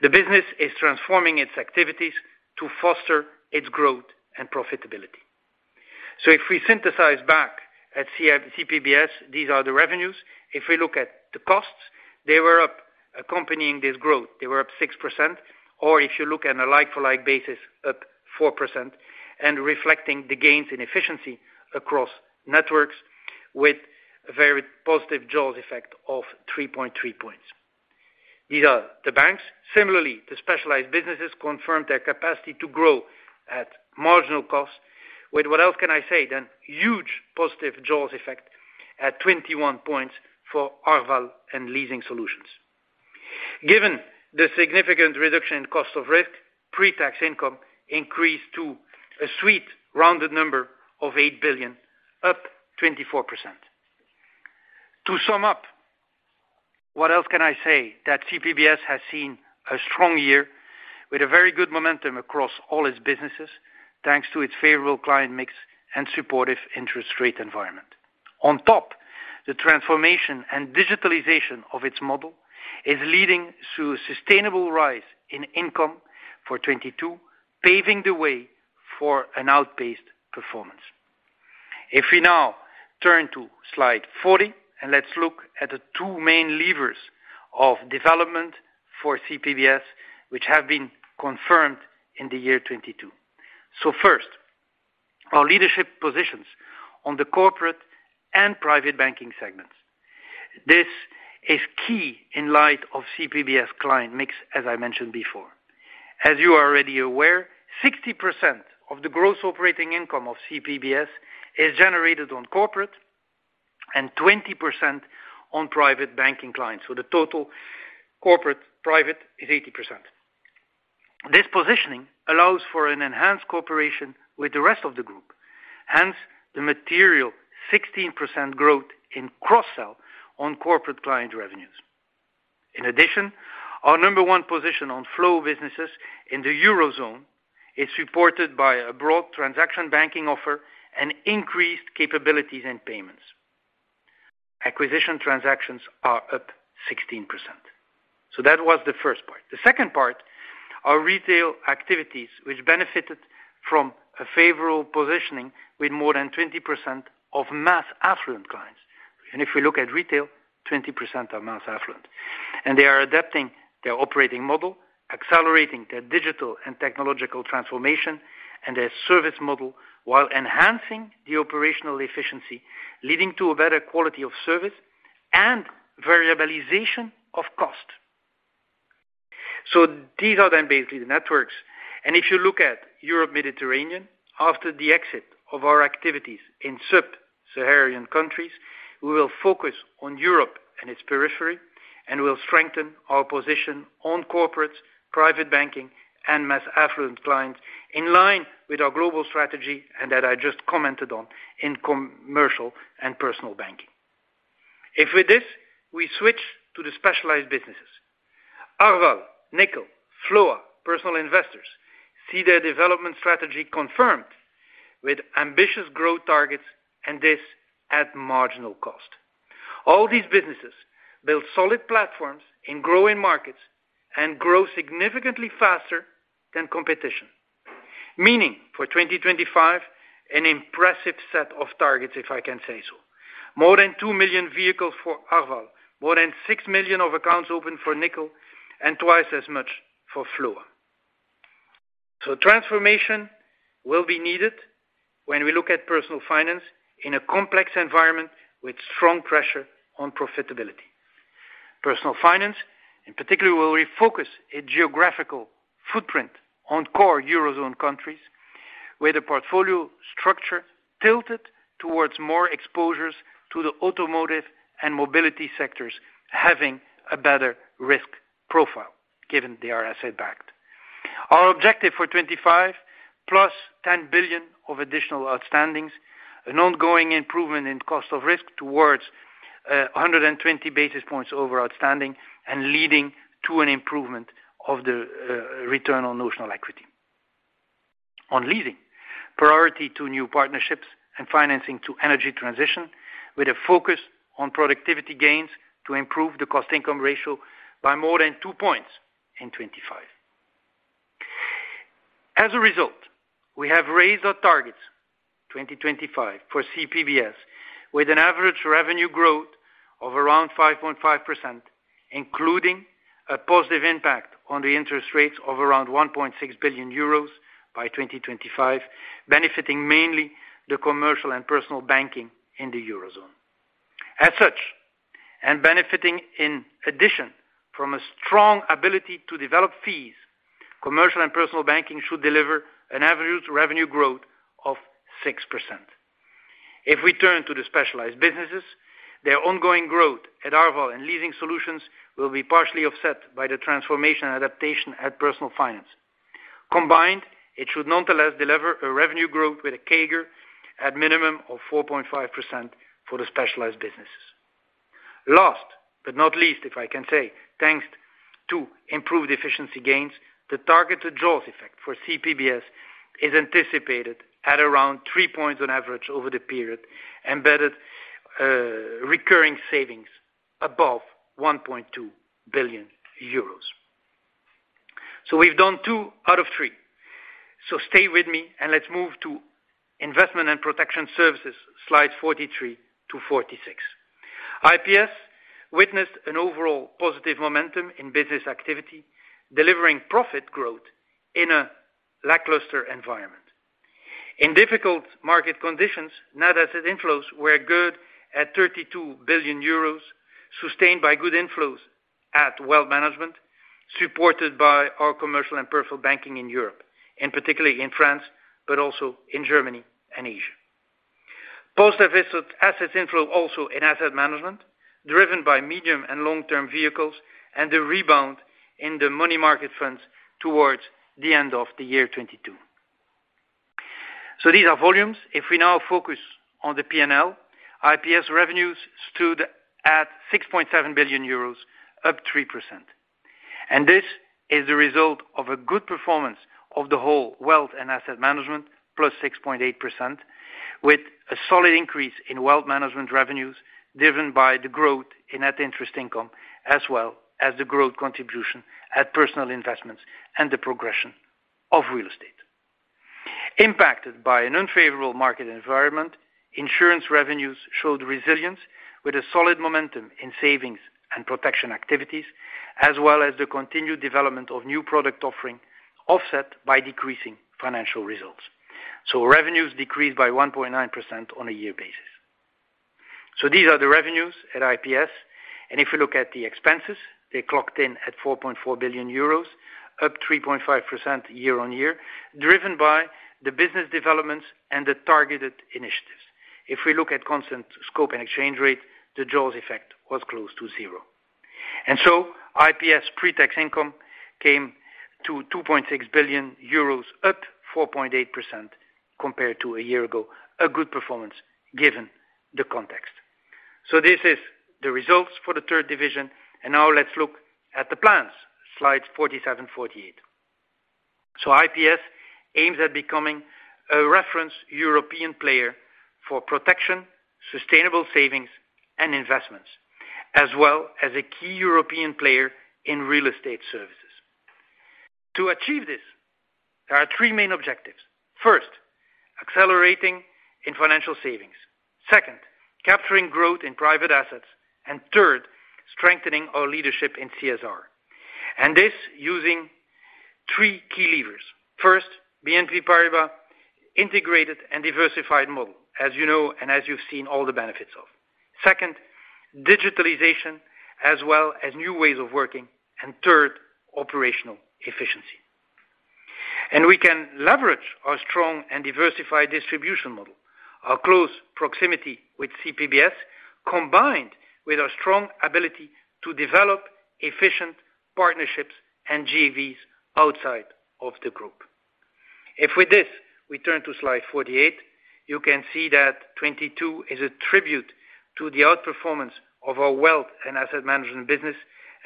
The business is transforming its activities to foster its growth and profitability. If we synthesize back at CPBS, these are the revenues. If we look at the costs, they were up accompanying this growth. They were up 6%. If you look at a like for like basis, up 4% and reflecting the gains in efficiency across networks with a very positive jaws effect of 3.3 points. These are the banks. Similarly, the specialized businesses confirmed their capacity to grow at marginal cost with what else can I say than huge positive jaws effect at 21 points for Arval and Leasing Solutions. Given the significant reduction in cost of risk, pre-tax income increased to a sweet rounded number of 8 billion, up 24%. To sum up, CPBS has seen a strong year with a very good momentum across all its businesses, thanks to its favorable client mix and supportive interest rate environment. On top, the transformation and digitalization of its model is leading to a sustainable rise in income for 2022, paving the way for an outpaced performance. If we now turn to slide 40, let's look at the two main levers of development for CPBS, which have been confirmed in the year 2022. First, our leadership positions on the corporate and private banking segments. This is key in light of CPBS client mix, as I mentioned before. As you are already aware, 60% of the gross operating income of CPBS is generated on corporate and 20% on private banking clients. The total corporate private is 80%. This positioning allows for an enhanced cooperation with the rest of the group, hence the material 16% growth in cross-sell on corporate client revenues. In addition, our number one position on flow businesses in the Eurozone is supported by a broad transaction banking offer and increased capabilities and payments. Acquisition transactions are up 16%. That was the first part. The second part, our retail activities, which benefited from a favorable positioning with more than 20% of mass affluent clients. If we look at retail, 20% are mass affluent. They are adapting their operating model, accelerating their digital and technological transformation and their service model, while enhancing the operational efficiency, leading to a better quality of service and variabilization of cost. These are then basically the networks. If you look at Europe Mediterranean, after the exit of our activities in sub-Saharan countries, we will focus on Europe and its periphery, and we'll strengthen our position on corporate, private banking, and mass affluent clients in line with our global strategy, and that I just commented on in commercial and personal banking. With this, we switch to the specialized businesses. Arval, Nickel, FLOA, Personal Investors see their development strategy confirmed with ambitious growth targets, and this at marginal cost. All these businesses build solid platforms in growing markets and grow significantly faster than competition. Meaning for 2025, an impressive set of targets, if I can say so. More than 2 million vehicles for Arval, more than 6 million of accounts open for Nickel, and twice as much for FLOA. Transformation will be needed when we look at Personal Finance in a complex environment with strong pressure on profitability. Personal Finance, in particular, will refocus its geographical footprint on core Eurozone countries, where the portfolio structure tilted towards more exposures to the automotive and mobility sectors, having a better risk profile, given they are asset backed. Our objective for 2025, plus 10 billion of additional outstandings, an ongoing improvement in cost of risk towards 120 basis points over outstanding and leading to an improvement of the return on notional equity. On leasing, priority to new partnerships and financing to energy transition with a focus on productivity gains to improve the cost income ratio by more than two points in 2025. As a result, we have raised our targets, 2025, for CPBS with an average revenue growth of around 5.5%, including a positive impact on the interest rates of around 1.6 billion euros by 2025, benefiting mainly the Commercial and Personal Banking in the Eurozone. As such, and benefiting in addition from a strong ability to develop fees, Commercial and Personal Banking should deliver an average revenue growth of 6%. If we turn to the Specialized Businesses, their ongoing growth at Arval and Leasing Solutions will be partially offset by the transformation adaptation at Personal Finance. Combined, it should nonetheless deliver a revenue growth with a CAGR at minimum of 4.5% for the specialized businesses. But not least, if I can say, thanks to improved efficiency gains, the target to jaws effect for CPBS is anticipated at around three points on average over the period, embedded recurring savings above 1.2 billion euros. We've done two out of three. Stay with me and let's move to Investment & Protection Services, slides 43-46. IPS witnessed an overall positive momentum in business activity, delivering profit growth in a lackluster environment. In difficult market conditions, net asset inflows were good at 32 billion euros, sustained by good inflows at wealth management, supported by our commercial and personal banking in Europe, and particularly in France, but also in Germany and Asia. Positive assets inflow also in asset management, driven by medium and long-term vehicles and a rebound in the money market funds towards the end of the year 2022. These are volumes. If we now focus on the P&L, IPS revenues stood at 6.7 billion euros, up 3%. This is the result of a good performance of the whole wealth and asset management, plus 6.8%, with a solid increase in wealth management revenues driven by the growth in net interest income, as well as the growth contribution at Personal Investors and the progression of real estate. Impacted by an unfavorable market environment, insurance revenues showed resilience with a solid momentum in savings and protection activities, as well as the continued development of new product offering offset by decreasing financial results. Revenues decreased by 1.9% on a year basis. These are the revenues at IPS, and if you look at the expenses, they clocked in at 4.4 billion euros, up 3.5% year-on-year, driven by the business developments and the targeted initiatives. If we look at constant scope and exchange rate, the jaws effect was close to zero. IPS pre-tax income came to 2.6 billion euros at 4.8% compared to a year ago, a good performance given the context. This is the results for the third division. Now let's look at the plans. Slides 47, 48. IPS aims at becoming a reference European player for protection, sustainable savings and investments, as well as a key European player in real estate services. To achieve this, there are three main objectives. First, accelerating in financial savings. Second, capturing growth in private assets. Third, strengthening our leadership in CSR. This using three key levers. First, BNP Paribas integrated and diversified model, as you know, and as you've seen all the benefits of. Second, digitalization as well as new ways of working. Third, operational efficiency. We can leverage our strong and diversified distribution model, our close proximity with CPBS, combined with our strong ability to develop efficient partnerships and JVs outside of the group. If with this, we turn to slide 48, you can see that 2022 is a tribute to the outperformance of our wealth and asset management business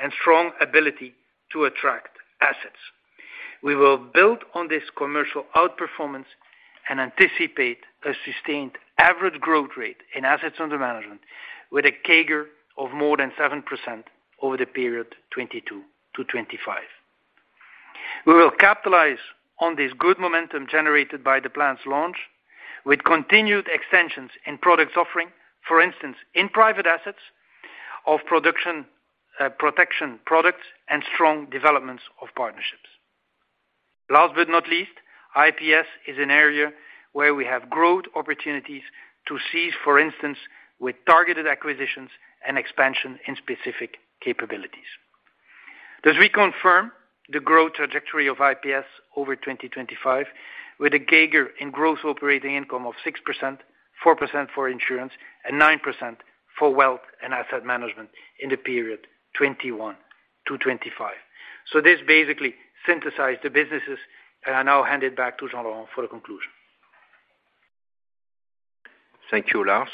and strong ability to attract assets. We will build on this commercial outperformance and anticipate a sustained average growth rate in assets under management with a CAGR of more than 7% over the period 2022-2025. We will capitalize on this good momentum generated by the plan's launch with continued extensions in products offering, for instance, in private assets of production, protection products and strong developments of partnerships. Last but not least, IPS is an area where we have growth opportunities to seize, for instance, with targeted acquisitions and expansion in specific capabilities. Thus we confirm the growth trajectory of IPS over 2025, with a CAGR in gross operating income of 6%, 4% for insurance, and 9% for wealth and asset management in the period 2021-2025. This basically synthesize the businesses, and I now hand it back to Jean-Laurent for the conclusion. Thank you, Lars.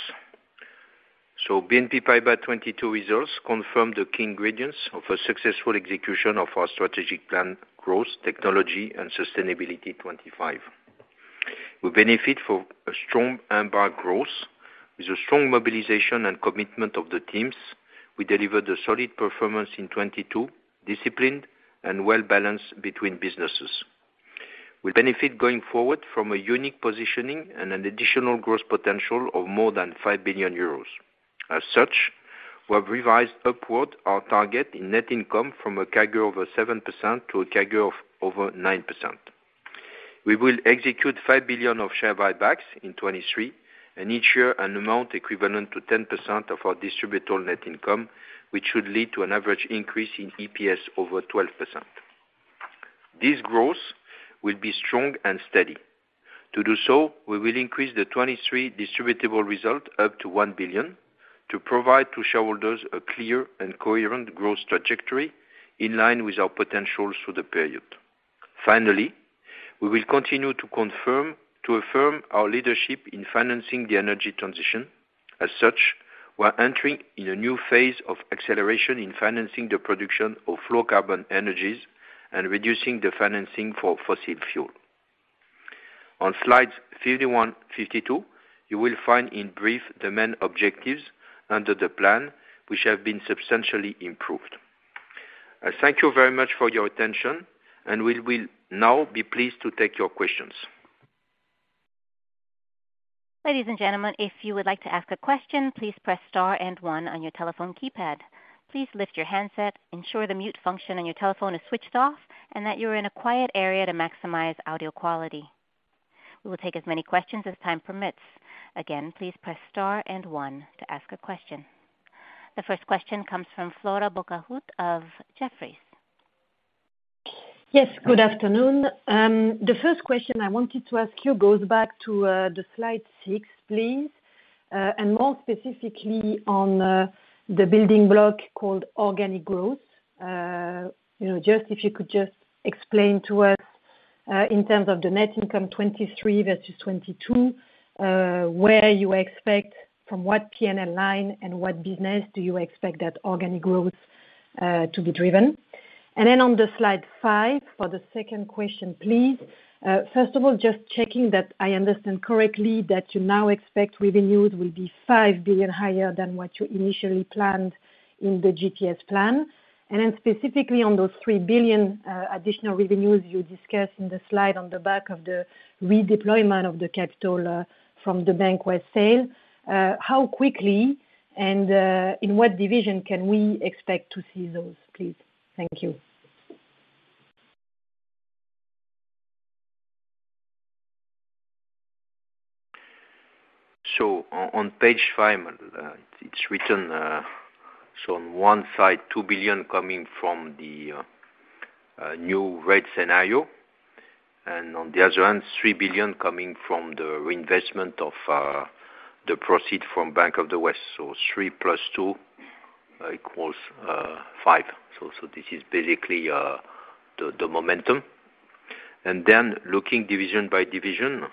BNP Paribas 2022 results confirm the key ingredients of a successful execution of our strategic plan, Growth, Technology, and Sustainability 2025. We benefit for a strong embark growth. With a strong mobilization and commitment of the teams, we delivered a solid performance in 2022, disciplined and well balanced between businesses. We benefit going forward from a unique positioning and an additional growth potential of more than 5 billion euros. As such, we have revised upward our target in net income from a CAGR over 7% to a CAGR of over 9%. We will execute 5 billion of share buybacks in 2023, and each year an amount equivalent to 10% of our distributable net income, which should lead to an average increase in EPS over 12%. This growth will be strong and steady. To do so, we will increase the 2023 distributable result up to 1 billion to provide to shareholders a clear and coherent growth trajectory in line with our potentials through the period. We will continue to affirm our leadership in financing the energy transition. We're entering in a new phase of acceleration in financing the production of low carbon energies and reducing the financing for fossil fuel. On slides 51, 52, you will find in brief the main objectives under the plan, which have been substantially improved. I thank you very much for your attention, and we will now be pleased to take your questions. Ladies and gentlemen, if you would like to ask a question, please press star and one on your telephone keypad. Please lift your handset, ensure the mute function on your telephone is switched off, and that you are in a quiet area to maximize audio quality. We will take as many questions as time permits. Again, please press star and one to ask a question. The first question comes from Flora Bocahut of Jefferies. Yes, good afternoon. The first question I wanted to ask you goes back to the slide six, please. More specifically on the building block called organic growth. You know, just if you could just explain to us in terms of the net income 2023 versus 2022, where you expect from what P&L line and what business do you expect that organic growth to be driven? On the slide five, for the second question please, first of all, just checking that I understand correctly that you now expect revenues will be 5 billion higher than what you initially planned in the GTS plan. Specifically on those 3 billion additional revenues you discussed in the slide on the back of the redeployment of the capital from the Bank of the West sale, how quickly and in what division can we expect to see those please? Thank you. On, on page five, it's written, on one side 2 billion coming from the new rate scenario, and on the other hand 3 billion coming from the reinvestment of the proceeds from Bank of the West. 3 + 2 = 5. This is basically the momentum. Looking division by division,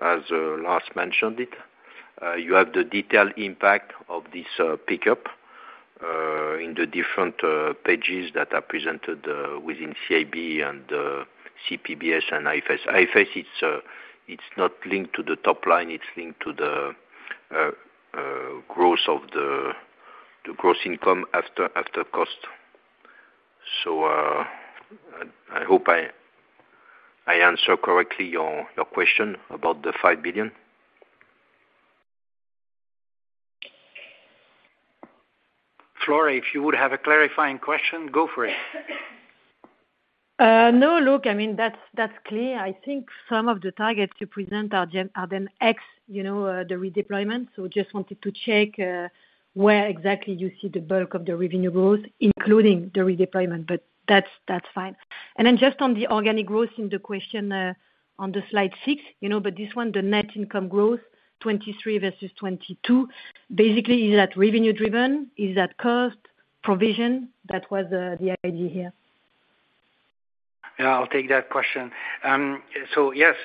as Lars mentioned it, you have the detailed impact of this pickup in the different pages that are presented within CIB and CPBS and IPS. IPS it's not linked to the top line, it's linked to the growth of the gross income after cost. I hope I answer correctly your question about the 5 billion. Flora, if you would have a clarifying question, go for it. No, look, I mean that's clear. I think some of the targets you present are the, are the ex, you know, the redeployment. Just wanted to check, where exactly you see the bulk of the revenue growth, including the redeployment, but that's fine. Just on the organic growth in the question, on the slide six, you know, but this one, the net income growth, 2023 versus 2022, basically is that revenue driven? Is that cost provision? That was the idea here. Yeah, I'll take that question. Yes,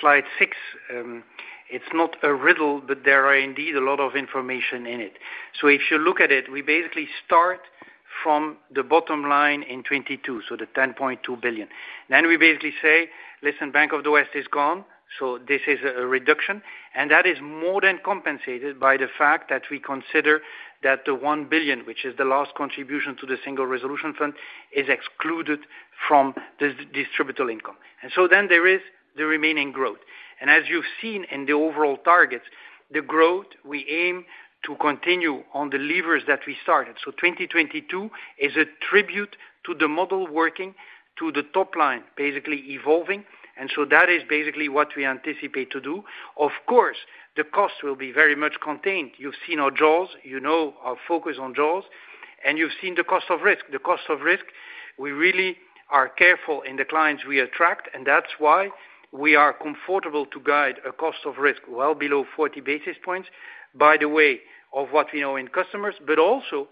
slide six, it's not a riddle, but there are indeed a lot of information in it. If you look at it, we basically start from the bottom line in 2022, so the 10.2 billion. We basically say, listen, Bank of the West is gone, so this is a reduction. That is more than compensated by the fact that we consider that the 1 billion, which is the last contribution to the Single Resolution Fund, is excluded from this distributable income. There is the remaining growth. As you've seen in the overall targets, the growth we aim to continue on the levers that we started. 2022 is a tribute to the model working, to the top line basically evolving. That is basically what we anticipate to do. Of course, the cost will be very much contained. You've seen our Jaws, you know our focus on Jaws, and you've seen the cost of risk. The cost of risk, we really are careful in the clients we attract, and that's why we are comfortable to guide a cost of risk well below 40 basis points by the way of what we know in customers, but also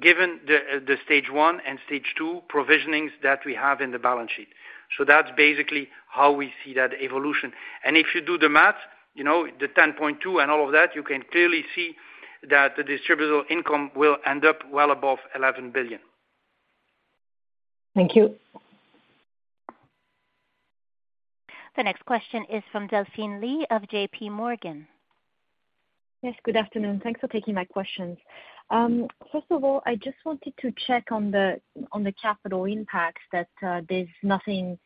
given the Stage 1 and Stage 2 provisionings that we have in the balance sheet. That's basically how we see that evolution. If you do the math, you know, the 10.2 and all of that, you can clearly see that the distributable income will end up well above 11 billion. Thank you. The next question is from Delphine Lee of JPMorgan. Yes, good afternoon. Thanks for taking my questions. First of all, I just wanted to check on the capital impacts that there's nothing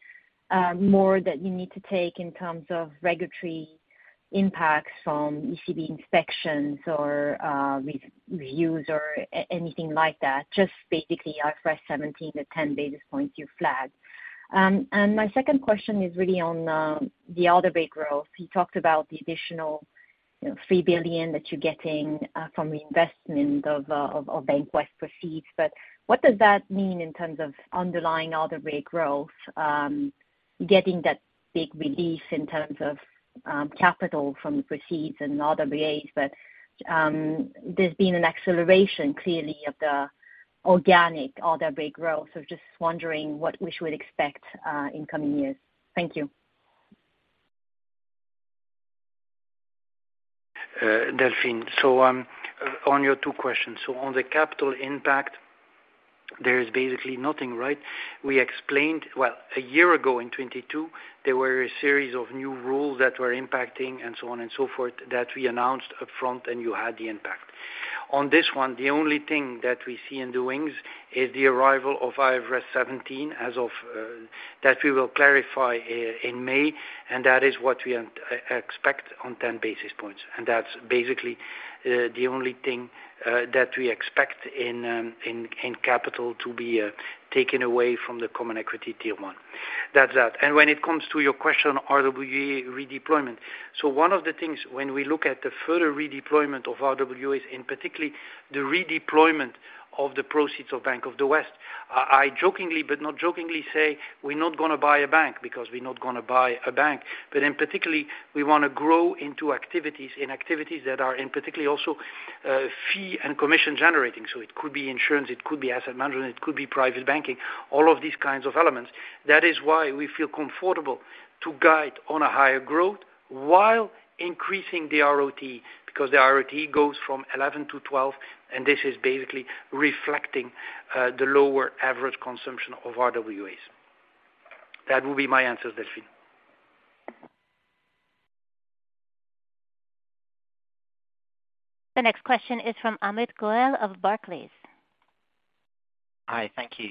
more that you need to take in terms of regulatory impacts from ECB inspections or re-reviews or anything like that, just basically IFRS 17, the 10 basis points you flagged. My second question is really on the RWA growth. You talked about the additional, you know, 3 billion that you're getting from the investment of Bank of the West proceeds. What does that mean in terms of underlying RWA growth, getting that big relief in terms of capital from the proceeds and RWAs? There's been an acceleration clearly of the organic RWA growth. Just wondering what we should expect in coming years. Thank you. Delphine. On your two questions. On the capital impact, there is basically nothing, right? We explained, well, a year ago in 2022, there were a series of new rules that were impacting and so on and so forth, that we announced upfront, and you had the impact. On this one, the only thing that we see in the wings is the arrival of IFRS 17 as of that we will clarify in May, and that is what we expect on 10 basis points. That's basically the only thing that we expect in capital to be taken away from the Common Equity Tier 1. That's that. When it comes to your question, RWA redeployment. One of the things when we look at the further redeployment of RWA, and particularly the redeployment of the proceeds of Bank of the West, I jokingly but not jokingly say, "We're not gonna buy a bank," because we're not gonna buy a bank. In particular, we wanna grow into activities, in activities that are in particular also, fee and commission generating. It could be insurance, it could be asset management, it could be private banking, all of these kinds of elements. That is why we feel comfortable to guide on a higher growth while increasing the ROT, because the ROT goes from 11 to 12, and this is basically reflecting the lower average consumption of RWAs. That will be my answer, Delphine. The next question is from Amit Goel of Barclays. Hi. Thank you.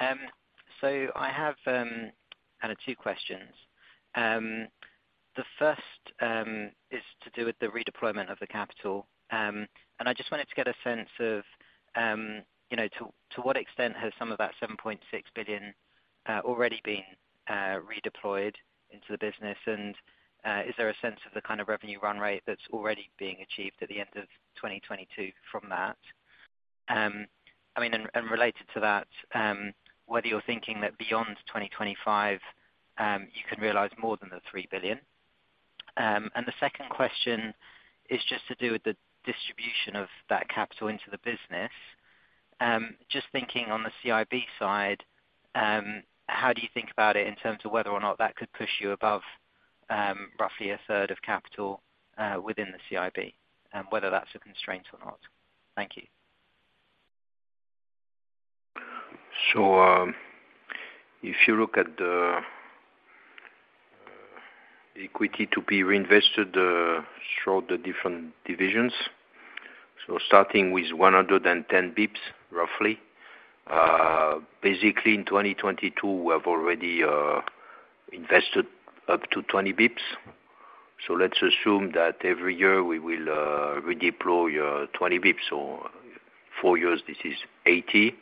I have kind of two questions. The first is to do with the redeployment of the capital. I just wanted to get a sense of, you know, to what extent has some of that 7.6 billion already been redeployed into the business? Is there a sense of the kind of revenue run rate that's already being achieved at the end of 2022 from that? Related to that, whether you're thinking that beyond 2025, you can realize more than the 3 billion. The second question is just to do with the distribution of that capital into the business. Just thinking on the CIB side, how do you think about it in terms of whether or not that could push you above, roughly a third of capital, within the CIB, and whether that's a constraint or not? Thank you. If you look at the equity to be reinvested throughout the different divisions, starting with 110 bips, roughly. Basically in 2022, we have already invested up to 20 bips. Let's assume that every year we will redeploy 20 bips, or four years, this is 80.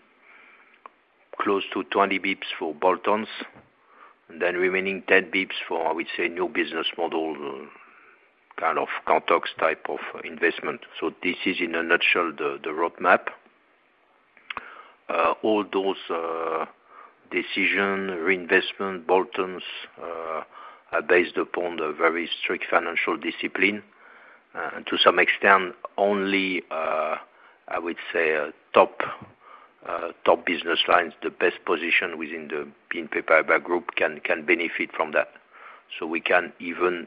Close to 20 bips for bolt-ons, and then remaining 10 bips for, I would say, new business model, kind of Kantox type of investment. This is in a nutshell the roadmap. All those decision reinvestment bolt-ons are based upon the very strict financial discipline. And to some extent only, I would say a top business lines, the best position within the BNP Paribas group can benefit from that. We can even,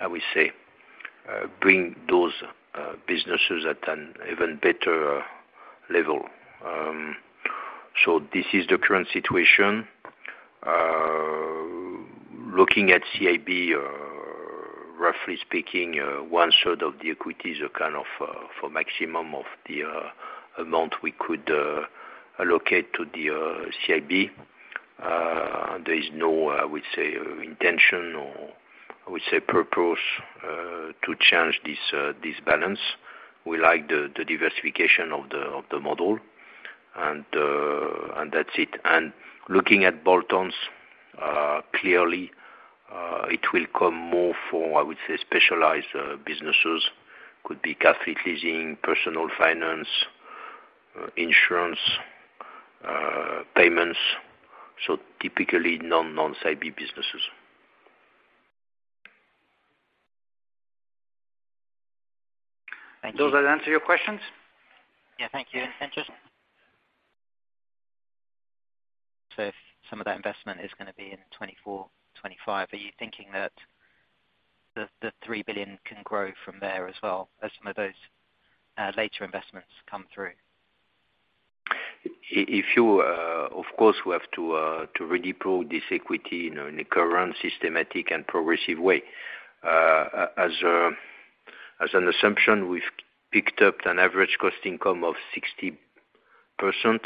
I would say, bring those businesses at an even better level. This is the current situation. Looking at CIB, roughly speaking, 1/3 of the equity is a kind of, for maximum of the amount we could allocate to the CIB. There is no, I would say intention or I would say purpose, to change this balance. We like the diversification of the model and that's it. Looking at bolt-ons, clearly, it will come more for, I would say, specialized businesses. Could be car fleet leasing, personal finance, insurance, payments, so typically non-non CIB businesses. Thank you. Does that answer your questions? Yeah, thank you. just so some of that investment is gonna be in 2024, 2025. Are you thinking that the 3 billion can grow from there as well as some of those later investments come through? If you, of course, we have to redeploy this equity in a current systematic and progressive way. As an assumption, we've picked up an average cost income of 60%,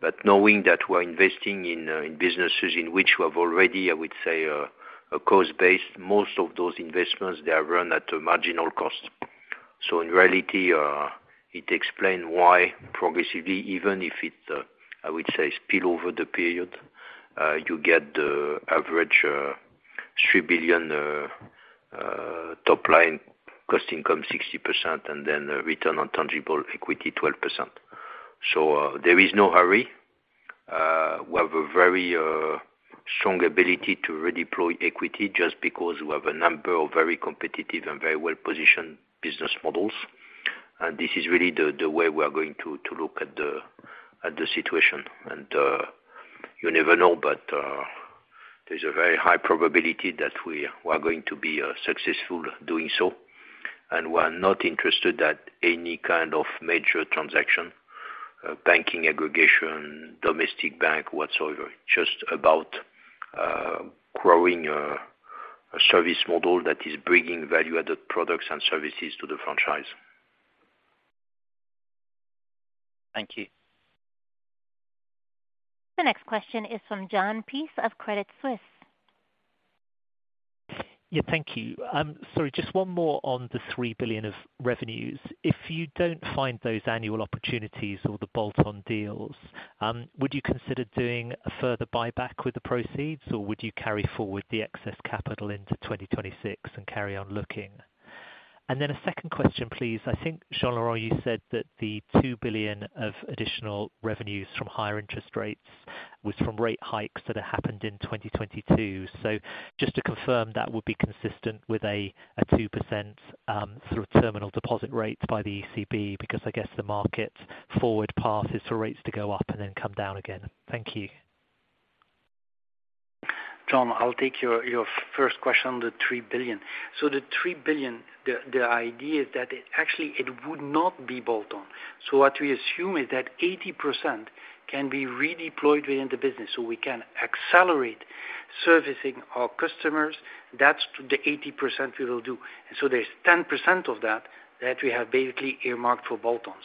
but knowing that we're investing in businesses in which we have already, I would say, a cost base, most of those investments, they are run at a marginal cost. In reality, it explains why progressively, even if it, I would say spill over the period, you get the average 3 billion top line cost income 60% and then a return on tangible equity 12%. There is no hurry. We have a very strong ability to redeploy equity just because we have a number of very competitive and very well-positioned business models. This is really the way we are going to look at the situation. You never know, but there's a very high probability that we are going to be successful doing so. We're not interested at any kind of major transaction, banking aggregation, domestic bank, whatsoever. Just about growing a service model that is bringing value-added products and services to the franchise. Thank you. The next question is from Jon Peace of Credit Suisse. Yeah, thank you. Sorry, just one more on the 3 billion of revenues. If you don't find those annual opportunities or the bolt-on deals, would you consider doing a further buyback with the proceeds, or would you carry forward the excess capital into 2026 and carry on looking? A second question, please. I think, Jean-Laurent, you said that the 2 billion of additional revenues from higher interest rates was from rate hikes that had happened in 2022. Just to confirm, that would be consistent with a 2%, sort of terminal deposit rate by the ECB, because I guess the market forward path is for rates to go up and then come down again. Thank you. Jon, I'll take your first question on the 3 billion. The 3 billion, the idea is that it actually it would not be bolt on. What we assume is that 80% can be redeployed within the business so we can accelerate servicing our customers. That's the 80% we will do. There's 10% of that we have basically earmarked for bolt-ons.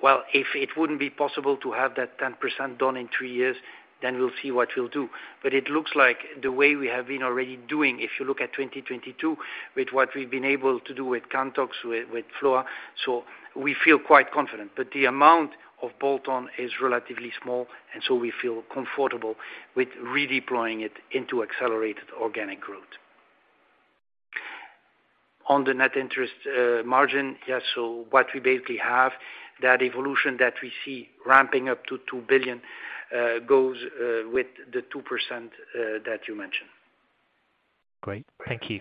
While if it wouldn't be possible to have that 10% done in three years, then we'll see what we'll do. It looks like the way we have been already doing, if you look at 2022 with what we've been able to do with Kantox, with Flora, so we feel quite confident. The amount of bolt-on is relatively small, and so we feel comfortable with redeploying it into accelerated organic growth. On the net interest margin, yeah, what we basically have, that evolution that we see ramping up to 2 billion, goes with the 2% that you mentioned. Great. Thank you.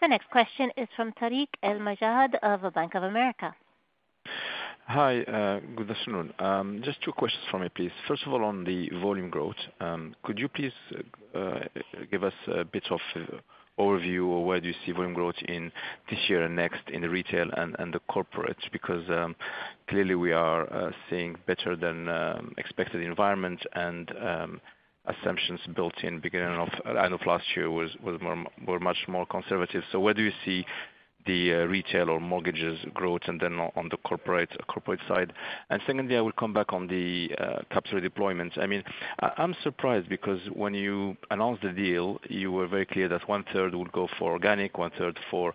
The next question is from Tarik El Mejjad of Bank of America. Hi, good afternoon. Just two questions for me, please. First of all, on the volume growth, could you please give us a bit of overview of where do you see volume growth in this year and next in the retail and the corporate? Clearly we are seeing better than expected environment and assumptions built in beginning of, end of last year were much more conservative. Where do you see the retail or mortgages growth and then on the corporate side? Secondly, I will come back on the capital deployment. I mean, I'm surprised because when you announced the deal, you were very clear that 1/3 would go for organic, 1/3 for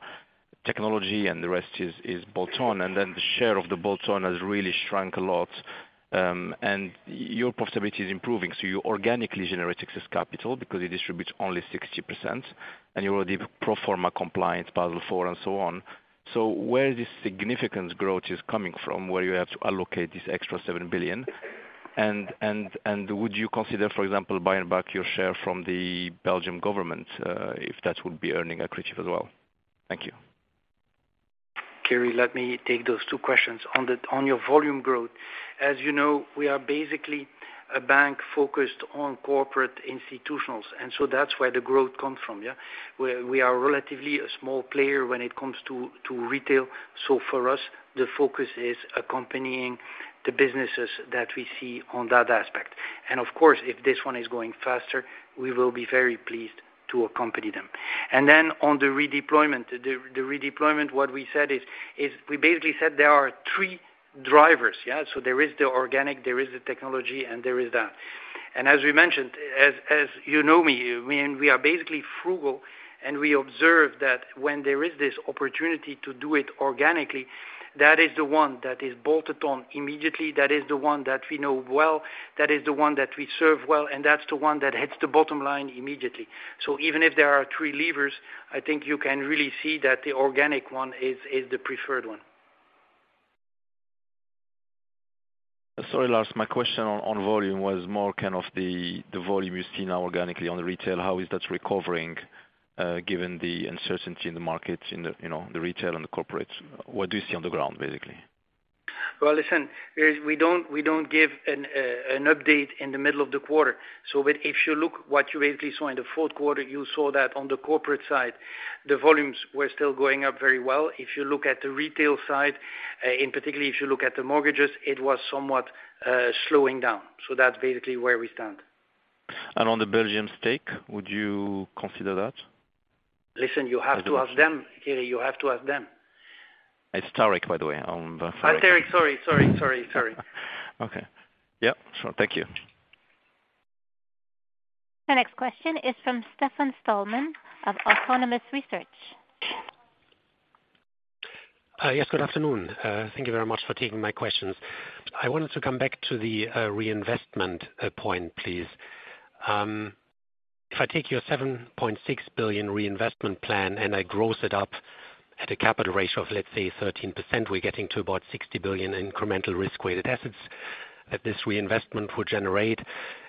technology, and the rest is bolt-on, and then the share of the bolt-on has really shrunk a lot. Your profitability is improving, so you organically generate excess capital because it distributes only 60%, and you're already pro forma compliant Basel 4 and so on. Where this significant growth is coming from, where you have to allocate this extra 7 billion? Would you consider, for example, buying back your share from the Belgian government, if that would be earning accretive as well? Thank you. Kerry, let me take those two questions. On your volume growth, as you know, we are basically a bank focused on corporate institutionals, so that's where the growth comes from, yeah. We are relatively a small player when it comes to retail. For us, the focus is accompanying the businesses that we see on that aspect. Of course, if this one is going faster, we will be very pleased to accompany them. On the redeployment, the redeployment, what we said is we basically said there are three drivers, yeah. There is the organic, there is the technology, and there is that. As we mentioned, as you know me, when we are basically frugal, we observe that when there is this opportunity to do it organically, that is the one that is bolted on immediately. That is the one that we know well, that is the one that we serve well, and that's the one that hits the bottom line immediately. Even if there are three levers, I think you can really see that the organic one is the preferred one. Sorry, Lars, my question on volume was more kind of the volume you see now organically on the retail. How is that recovering, given the uncertainty in the market, in the, you know, the retail and the corporate? What do you see on the ground, basically? Well, listen, we don't give an update in the middle of the quarter. But if you look what you basically saw in the fourth quarter, you saw that on the corporate side, the volumes were still going up very well. If you look at the retail side, in particular, if you look at the mortgages, it was somewhat slowing down. That's basically where we stand. On the Belgium stake, would you consider that? Listen, you have to ask them. Kerry, you have to ask them. It's Tarik, by the way. I'm Tarik. Hi, Tarik. Sorry. Okay. Yep. Thank you. The next question is from Stefan Stalmann of Autonomous Research. Yes, good afternoon. Thank you very much for taking my questions. I wanted to come back to the reinvestment point, please. If I take your 7.6 billion reinvestment plan and I gross it up at a capital ratio of, let's say, 13%, we're getting to about 60 billion incremental risk-weighted assets that this reinvestment would generate,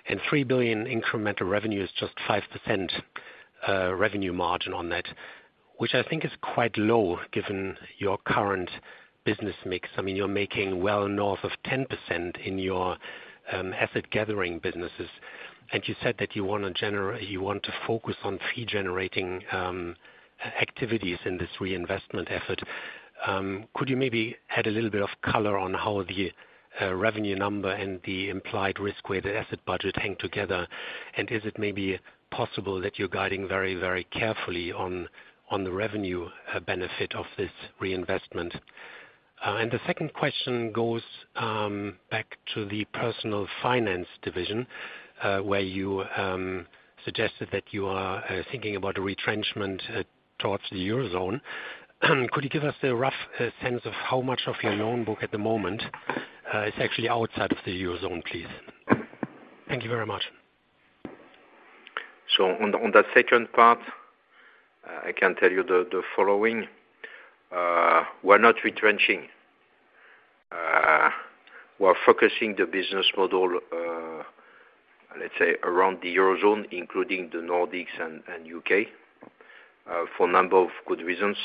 and 3 billion incremental revenue is just 5% revenue margin on that, which I think is quite low given your current business mix. I mean, you're making well north of 10% in your asset gathering businesses. You said that you want to focus on fee-generating activities in this reinvestment effort. Could you maybe add a little bit of color on how the revenue number and the implied risk-weighted asset budget hang together? Is it maybe possible that you're guiding very, very carefully on the revenue benefit of this reinvestment? The second question goes back to the Personal Finance division, where you suggested that you are thinking about a retrenchment towards the Eurozone. Could you give us a rough sense of how much of your loan book at the moment is actually outside of the Eurozone, please? Thank you very much. On the second part, I can tell you the following. We're not retrenching. We're focusing the business model, let's say, around the Eurozone, including the Nordics and U.K.. For a number of good reasons.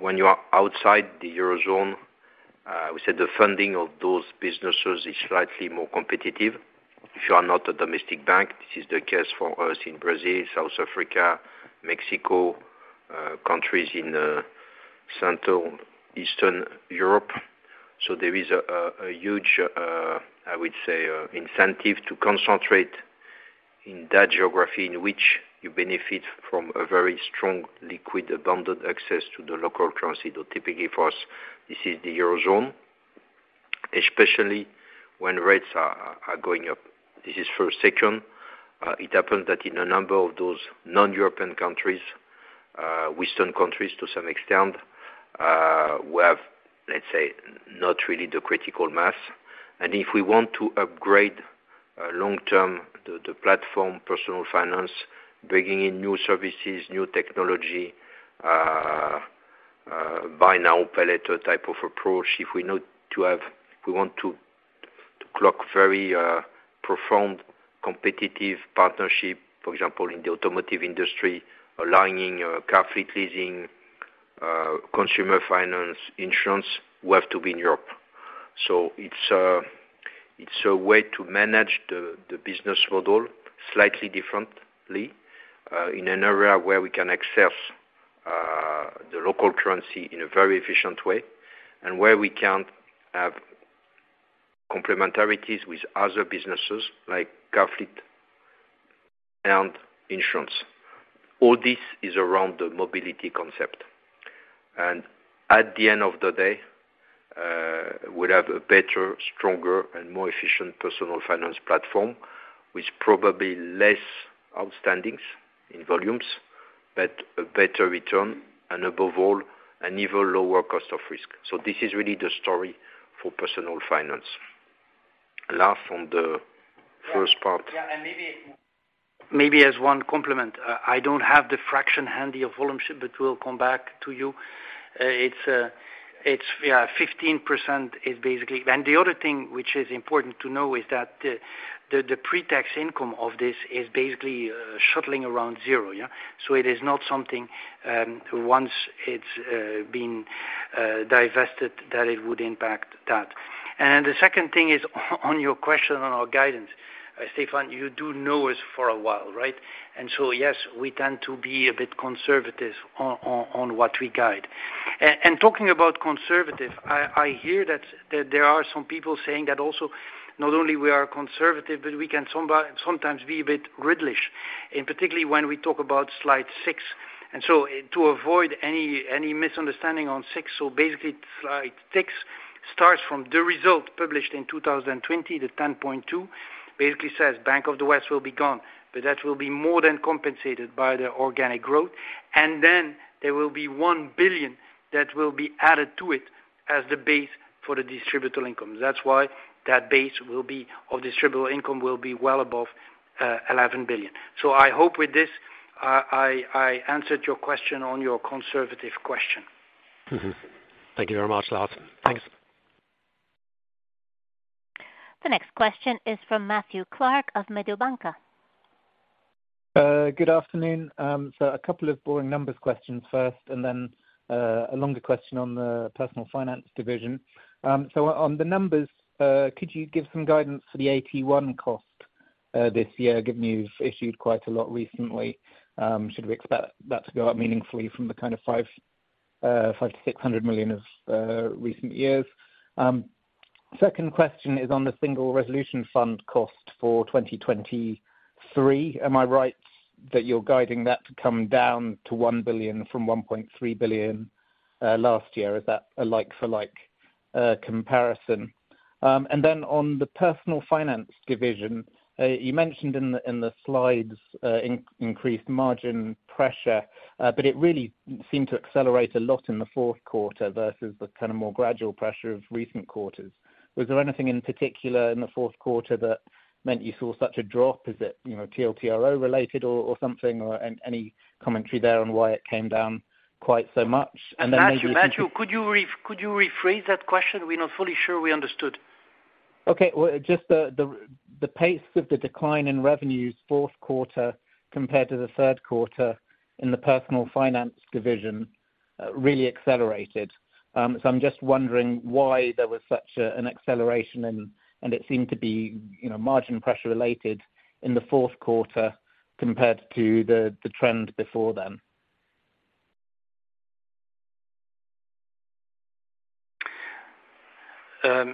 When you are outside the Eurozone, we said the funding of those businesses is slightly more competitive. If you are not a domestic bank, this is the case for us in Brazil, South Africa, Mexico, countries in Central, Eastern Europe. There is a huge, I would say, incentive to concentrate in that geography in which you benefit from a very strong liquid abundant access to the local currency. Typically for us, this is the Eurozone, especially when rates are going up. This is for a second. It happens that in a number of those non-European countries, Western countries to some extent, we have, let's say, not really the critical mass. If we want to upgrade long-term the platform Personal Finance, bringing in new services, new technology, buy now, pay later type of approach. We want to clock very performed competitive partnership, for example, in the automotive industry, aligning car fleet leasing, consumer finance, insurance, we have to be in Europe. It's a way to manage the business model slightly differently, in an area where we can access the local currency in a very efficient way. Where we can have complementarities with other businesses like car fleet and insurance. All this is around the mobility concept. At the end of the day, we'll have a better, stronger, and more efficient personal finance platform with probably less outstandings in volumes, but a better return, and above all, an even lower cost of risk. This is really the story for personal finance. Last on the first part. Yeah. Maybe as one complement, I don't have the fraction handy of volume ship, but we'll come back to you. It's, yeah, 15% is basically... The other thing which is important to know is that the pre-tax income of this is basically shuttling around zero, yeah? It is not something, once it's been divested, that it would impact that. The second thing is on your question on our guidance. Stephan, you do know us for a while, right? Yes, we tend to be a bit conservative on what we guide. Talking about conservative, I hear that there are some people saying that also not only we are conservative, but we can sometimes be a bit gridlish, and particularly when we talk about slide six. To avoid any misunderstanding on slide six, basically slide six starts from the result published in 2020, the 10.2 billion, basically says Bank of the West will be gone. That will be more than compensated by the organic growth. There will be 1 billion that will be added to it as the base for the distributable income. That's why that base will be, of distributable income, will be well above 11 billion. I hope with this, I answered your question on your conservative question. Mm-hmm. Thank you very much, Lars. Thanks. The next question is from Matthew Clark of Mediobanca. Good afternoon. A couple of boring numbers questions first, a longer question on the Personal Finance division. On the numbers, could you give some guidance for the AT1 cost this year, given you've issued quite a lot recently? Should we expect that to go up meaningfully from the kind of 500 million-600 million of recent years? Second question is on the Single Resolution Fund cost for 2023. Am I right that you're guiding that to come down to 1 billion from 1.3 billion last year? Is that a like-for-like comparison? Then on the Personal Finance division, you mentioned in the, in the slides, increased margin pressure, but it really seemed to accelerate a lot in the fourth quarter versus the kind of more gradual pressure of recent quarters. Was there anything in particular in the fourth quarter that meant you saw such a drop? Is it, you know, TLTRO related or something, or any commentary there on why it came down quite so much? Then maybe. Matthew, could you rephrase that question? We're not fully sure we understood. Okay. Well, just the pace of the decline in revenues fourth quarter compared to the third quarter in the Personal Finance division, really accelerated. I'm just wondering why there was such an acceleration, and it seemed to be, you know, margin pressure related in the fourth quarter compared to the trend before then.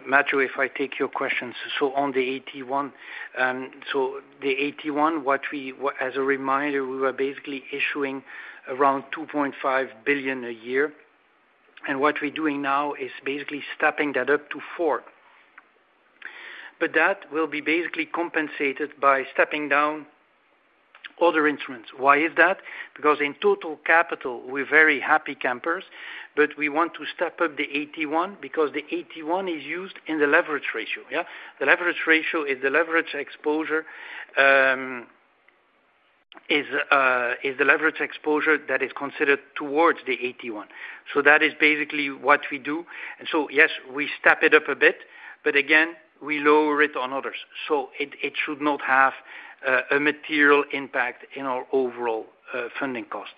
Matthew, if I take your questions. On the AT1, the AT1, as a reminder, we were basically issuing around 2.5 billion a year. What we're doing now is basically stepping that up to 4 billion. That will be basically compensated by stepping down other instruments. Why is that? Because in total capital, we're very happy campers, but we want to step up the AT1 because the AT1 is used in the leverage ratio, yeah? The leverage ratio is the leverage exposure, is the leverage exposure that is considered towards the AT1. That is basically what we do. Yes, we step it up a bit. Again, we lower it on others, so it should not have a material impact in our overall funding cost.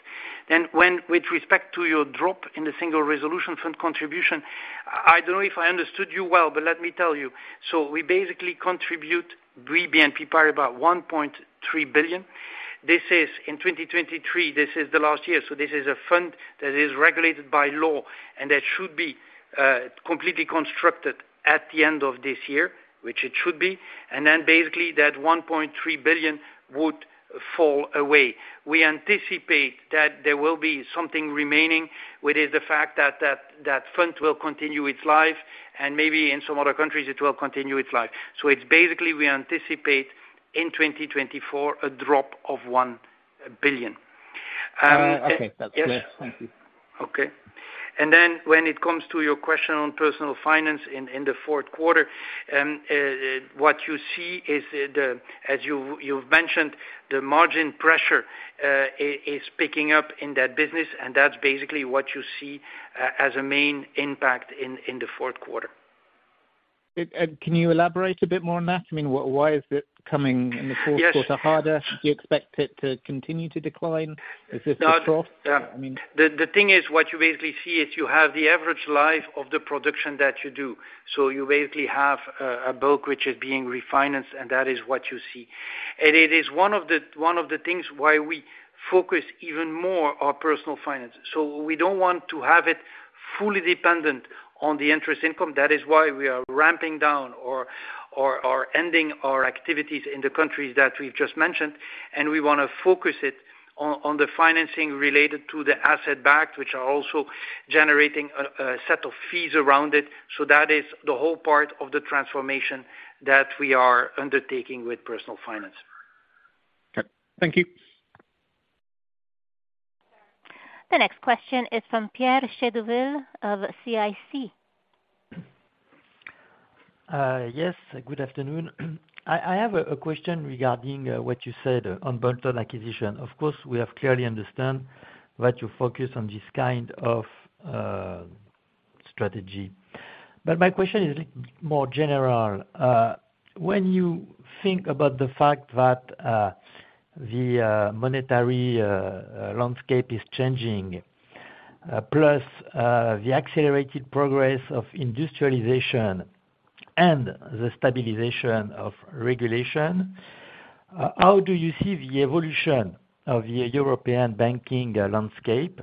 With respect to your drop in the Single Resolution Fund contribution, I don't know if I understood you well, but let me tell you. We basically contribute, we BNP Paribas, 1.3 billion. This is, in 2023, this is the last year, so this is a Fund that is regulated by law, and that should be completely constructed at the end of this year, which it should be. Basically that 1.3 billion would fall away. We anticipate that there will be something remaining, which is the fact that that Fund will continue its life, and maybe in some other countries it will continue its life. It's basically we anticipate in 2024 a drop of 1 billion. Okay. That's clear. Yes. Thank you. Okay. When it comes to your question on Personal Finance in the fourth quarter, what you see is the, as you've mentioned, the margin pressure, is picking up in that business, and that's basically what you see as a main impact in the fourth quarter. Can you elaborate a bit more on that? I mean, why is it coming in the fourth quarter harder? Yes. Do you expect it to continue to decline? Is this a trough? I mean... The thing is what you basically see is you have the average life of the production that you do. You basically have a bulk which is being refinanced, that is what you see. It is one of the things why we focus even more our Personal Finance. We don't want to have it fully dependent on the interest income. That is why we are ramping down or ending our activities in the countries that we've just mentioned. We wanna focus it on the financing related to the asset backs, which are also generating a set of fees around it. That is the whole part of the transformation that we are undertaking with Personal Finance. Okay. Thank you. The next question is from Pierre Chédeville of CIC. Yes. Good afternoon. I have a question regarding what you said on bolt-on acquisition. Of course, we have clearly understand that you focus on this kind of strategy. My question is more general. When you think about the fact that the monetary landscape is changing, plus the accelerated progress of industrialization and the stabilization of regulation, how do you see the evolution of the European banking landscape?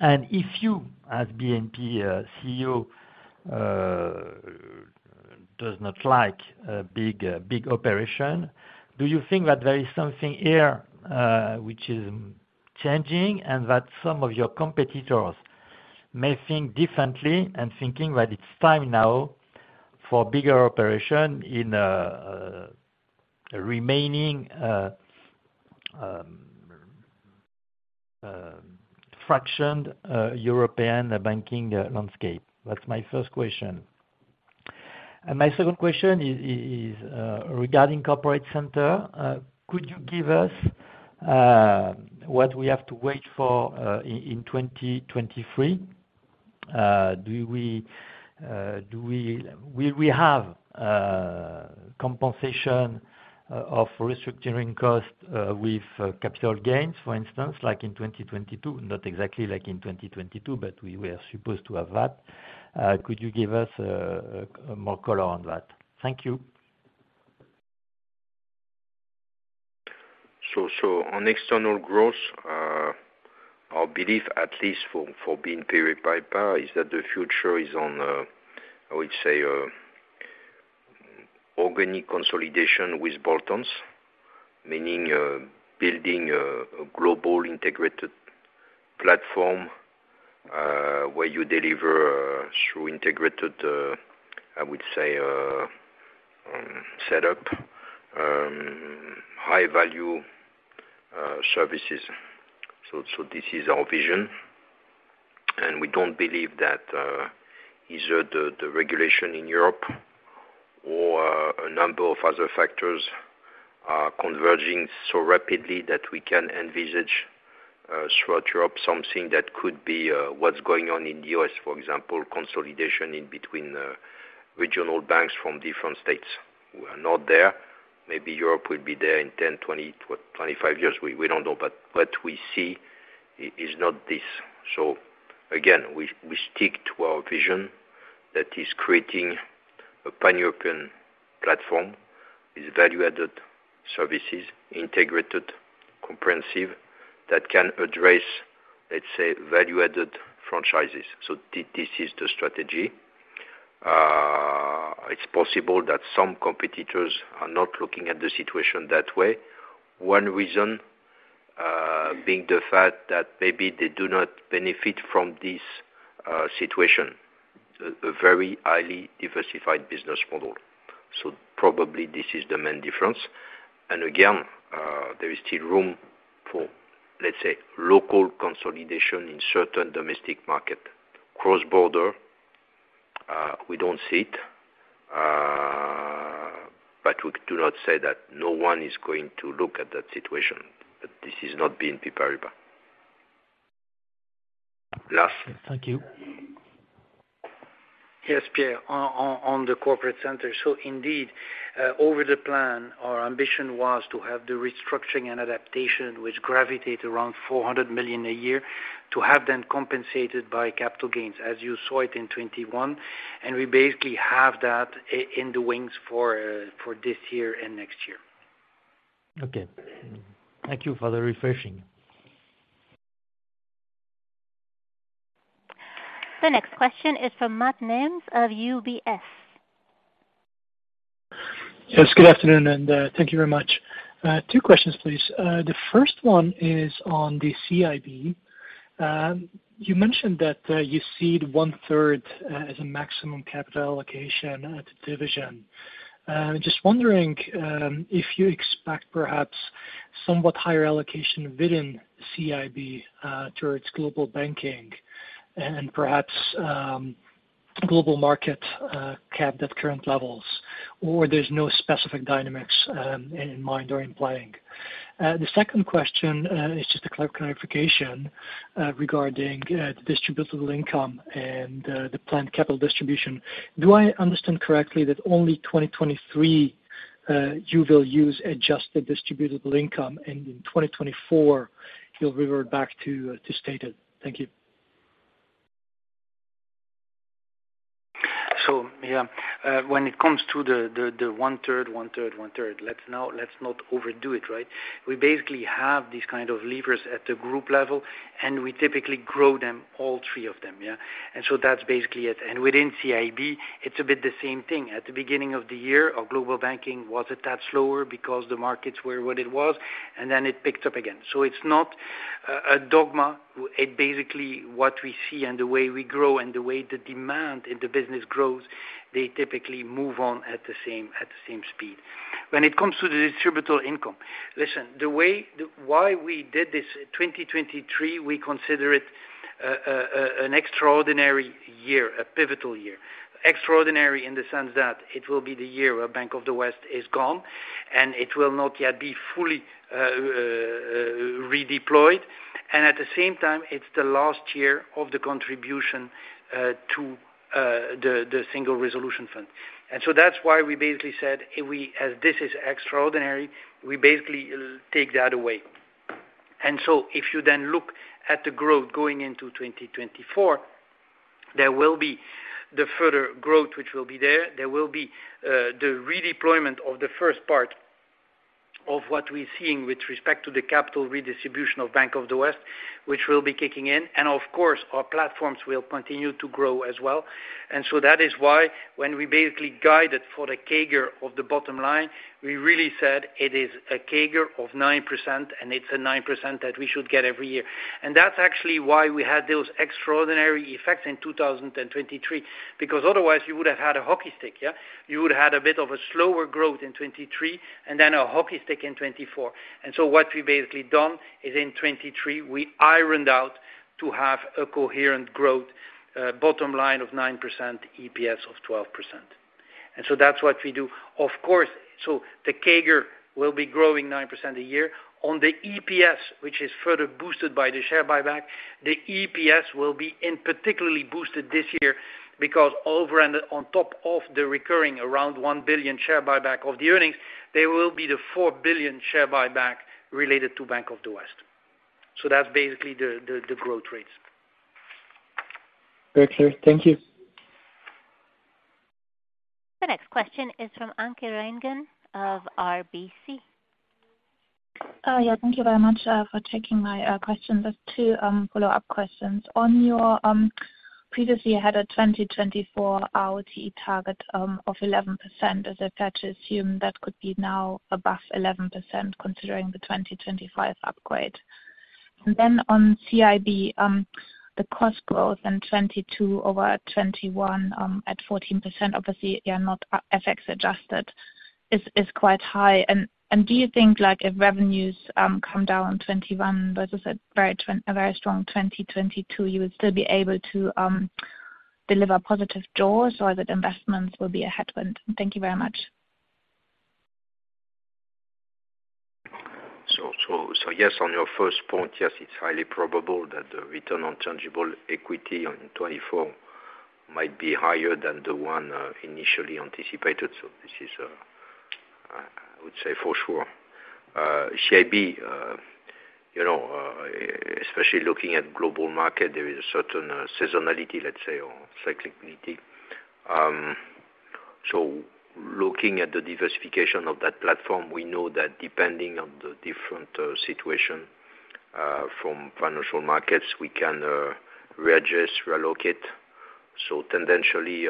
If you, as BNP CEO, does not like a big operation, do you think that there is something here which is changing and that some of your competitors may think differently and thinking that it's time now for bigger operation in the remaining fraction, European banking landscape? That's my first question. My second question is regarding corporate center. Could you give us what we have to wait for in 2023? Will we have compensation of restructuring costs with capital gains, for instance, like in 2022? Not exactly like in 2022, but we were supposed to have that. Could you give us more color on that? Thank you. On external growth, our belief, at least for BNP Paribas, is that the future is on, I would say, organic consolidation with bolt-ons. Meaning, building a global integrated platform, where you deliver through integrated, I would say, setup, high value services. This is our vision. We don't believe that either the regulation in Europe or a number of other factors are converging so rapidly that we can envisage throughout Europe, something that could be what's going on in the U.S., for example, consolidation in between regional banks from different states. We are not there. Maybe Europe will be there in 10, 20 to 25 years. We don't know, but what we see is not this. Again, we stick to our vision that is creating a pan-European platform with value-added services, integrated, comprehensive, that can address, let's say, value-added franchises. This is the strategy. It's possible that some competitors are not looking at the situation that way. One reason being the fact that maybe they do not benefit from this situation, a very highly diversified business model. Probably this is the main difference. Again, there is still room for, let's say, local consolidation in certain domestic market. Cross-border, we don't see it. But we do not say that no one is going to look at that situation, but this is not BNP Paribas. Yes, thank you. Pierre, on the corporate center. Indeed, over the plan, our ambition was to have the restructuring and adaptation, which gravitate around 400 million a year, to have them compensated by capital gains, as you saw it in 2021, and we basically have that in the wings for this year and next year. Okay. Thank you for the refreshing. The next question is from Mate Nemes of UBS. Yes, good afternoon, thank you very much. Two questions, please. The first one is on the CIB. You mentioned that you seed 1/3 as a maximum capital allocation at the division. Just wondering if you expect perhaps somewhat higher allocation within CIB towards Global Banking and perhaps Global Markets, capped at current levels, or there's no specific dynamics in mind or in playing. The second question is just a clarification regarding the distributable income and the planned capital distribution. Do I understand correctly that only 2023 you will use adjusted distributable income, and in 2024 you'll revert back to stated? Thank you. Yeah. When it comes to the 1/3, 1/3, 1/3, let's not overdo it, right? We basically have these kind of levers at the group level, and we typically grow them, all three of them, yeah? That's basically it. Within CIB, it's a bit the same thing. At the beginning of the year, our Global Banking was a tad slower because the markets were what it was, and then it picked up again. It's not a dogma. It basically, what we see and the way we grow and the way the demand in the business grows, they typically move on at the same speed. When it comes to the distributor income, listen, the why we did this 2023, we consider it an extraordinary year, a pivotal year. Extraordinary in the sense that it will be the year where Bank of the West is gone, and it will not yet be fully redeployed. At the same time, it's the last year of the contribution to the Single Resolution Fund. That's why we basically said, as this is extraordinary, we basically take that away. If you then look at the growth going into 2024, there will be the further growth which will be there. There will be the redeployment of the first part of what we're seeing with respect to the capital redistribution of Bank of the West, which will be kicking in. Of course our platforms will continue to grow as well. That is why when we basically guided for the CAGR of the bottom line, we really said it is a CAGR of 9%, and it's a 9% that we should get every year. That's actually why we had those extraordinary effects in 2023. Because otherwise you would've had a hockey stick, yeah? You would've had a bit of a slower growth in 2023, and then a hockey stick in 2024. What we've basically done is in 2023, we ironed out to have a coherent growth, bottom line of 9%, EPS of 12%. That's what we do. Of course, so the CAGR will be growing 9% a year. On the EPS, which is further boosted by the share buyback, the EPS will be in particular boosted this year because over and on top of the recurring around 1 billion share buyback of the earnings, there will be the 4 billion share buyback related to Bank of the West. That's basically the growth rates. Great. Sure. Thank you. The next question is from Anke Reingen of RBC. Thank you very much for taking my question. Just two follow-up questions. On your previously you had a 2024 ROTE target of 11%. Is it fair to assume that could be now above 11% considering the 2025 upgrade? On CIB, the cost growth in 2022 over 2021 at 14%, obviously they are not FX adjusted, is quite high. Do you think like if revenues come down in 2021 versus a very strong 2022, you would still be able to deliver positive jaws or that investments will be a headwind? Thank you very much. Yes, on your first point, yes, it's highly probable that the return on tangible equity in 2024 might be higher than the one initially anticipated. This is, I would say for sure. CIB, you know, especially looking at Global Markets, there is a certain seasonality, let's say, or cyclicity. Looking at the diversification of that platform, we know that depending on the different situation from financial markets, we can readjust, relocate. Tendentially,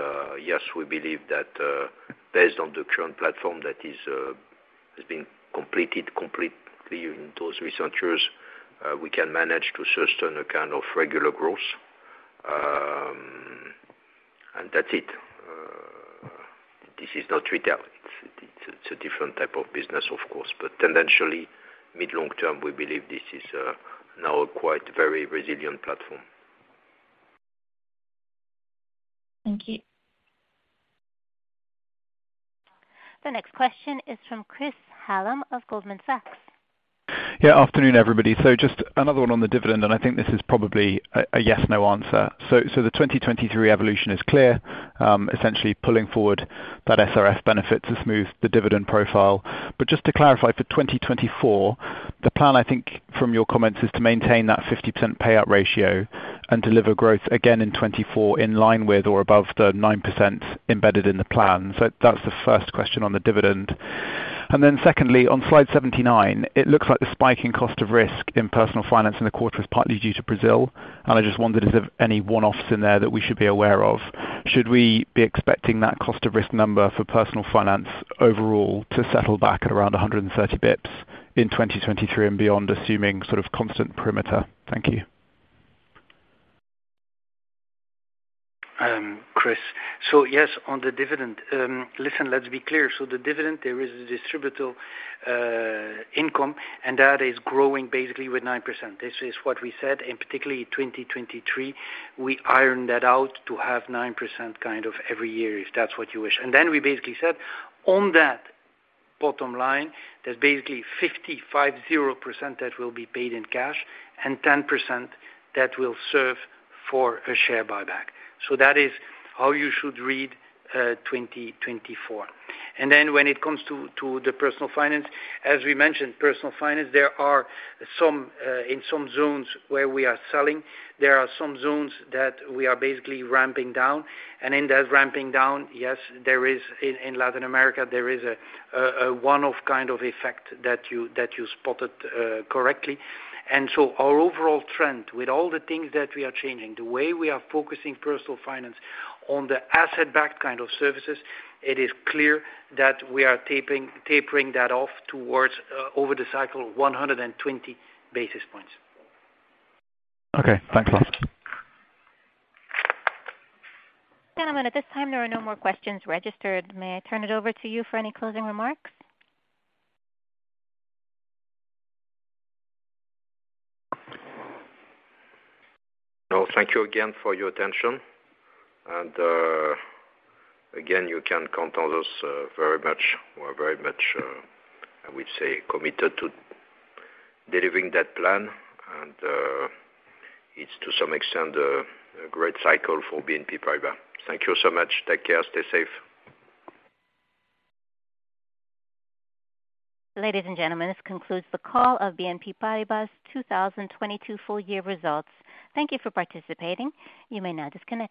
yes, we believe that based on the current platform that is has been completed completely in those recent years, we can manage to sustain a kind of regular growth. That's it. This is not retail. It's a different type of business, of course. Tendentially, mid, long term, we believe this is now a quite very resilient platform. Thank you. The next question is from Chris Hallam of Goldman Sachs. Afternoon, everybody. Just another one on the dividend, and I think this is probably a yes, no answer. The 2023 evolution is clear, essentially pulling forward that SRF benefit to smooth the dividend profile. Just to clarify, for 2024, the plan, I think from your comments, is to maintain that 50% payout ratio and deliver growth again in 2024 in line with or above the 9% embedded in the plan. That's the first question on the dividend. Secondly, on slide 79, it looks like the spike in cost of risk in Personal Finance in the quarter is partly due to Brazil, and I just wondered is there any one-offs in there that we should be aware of? Should we be expecting that cost of risk number for personal finance overall to settle back at around 130 basis points in 2023 and beyond, assuming sort of constant perimeter? Thank you. Chris. Yes, on the dividend, listen, let's be clear. The dividend, there is a distributable income, and that is growing basically with 9%. This is what we said, in particular 2023, we iron that out to have 9% kind of every year, if that's what you wish. We basically said, on that bottom line, there's basically 550% that will be paid in cash and 10% that will serve for a share buyback. That is how you should read, 2024. When it comes to the Personal Finance, as we mentioned, Personal Finance, there are some in some zones where we are selling, there are some zones that we are basically ramping down. In that ramping down, yes, there is in Latin America, there is a, a one-off kind of effect that you, that you spotted correctly. Our overall trend with all the things that we are changing, the way we are focusing Personal Finance on the asset-backed kind of services, it is clear that we are tapering that off towards over the cycle 120 basis points. Okay, thanks a lot. Gentlemen, at this time, there are no more questions registered. May I turn it over to you for any closing remarks? No, thank you again for your attention. Again, you can count on us, very much. We're very much, I would say committed to delivering that plan. It's to some extent, a great cycle for BNP Paribas. Thank you so much. Take care. Stay safe. Ladies and gentlemen, this concludes the call of BNP Paribas' 2022 full year results. Thank you for participating. You may now disconnect.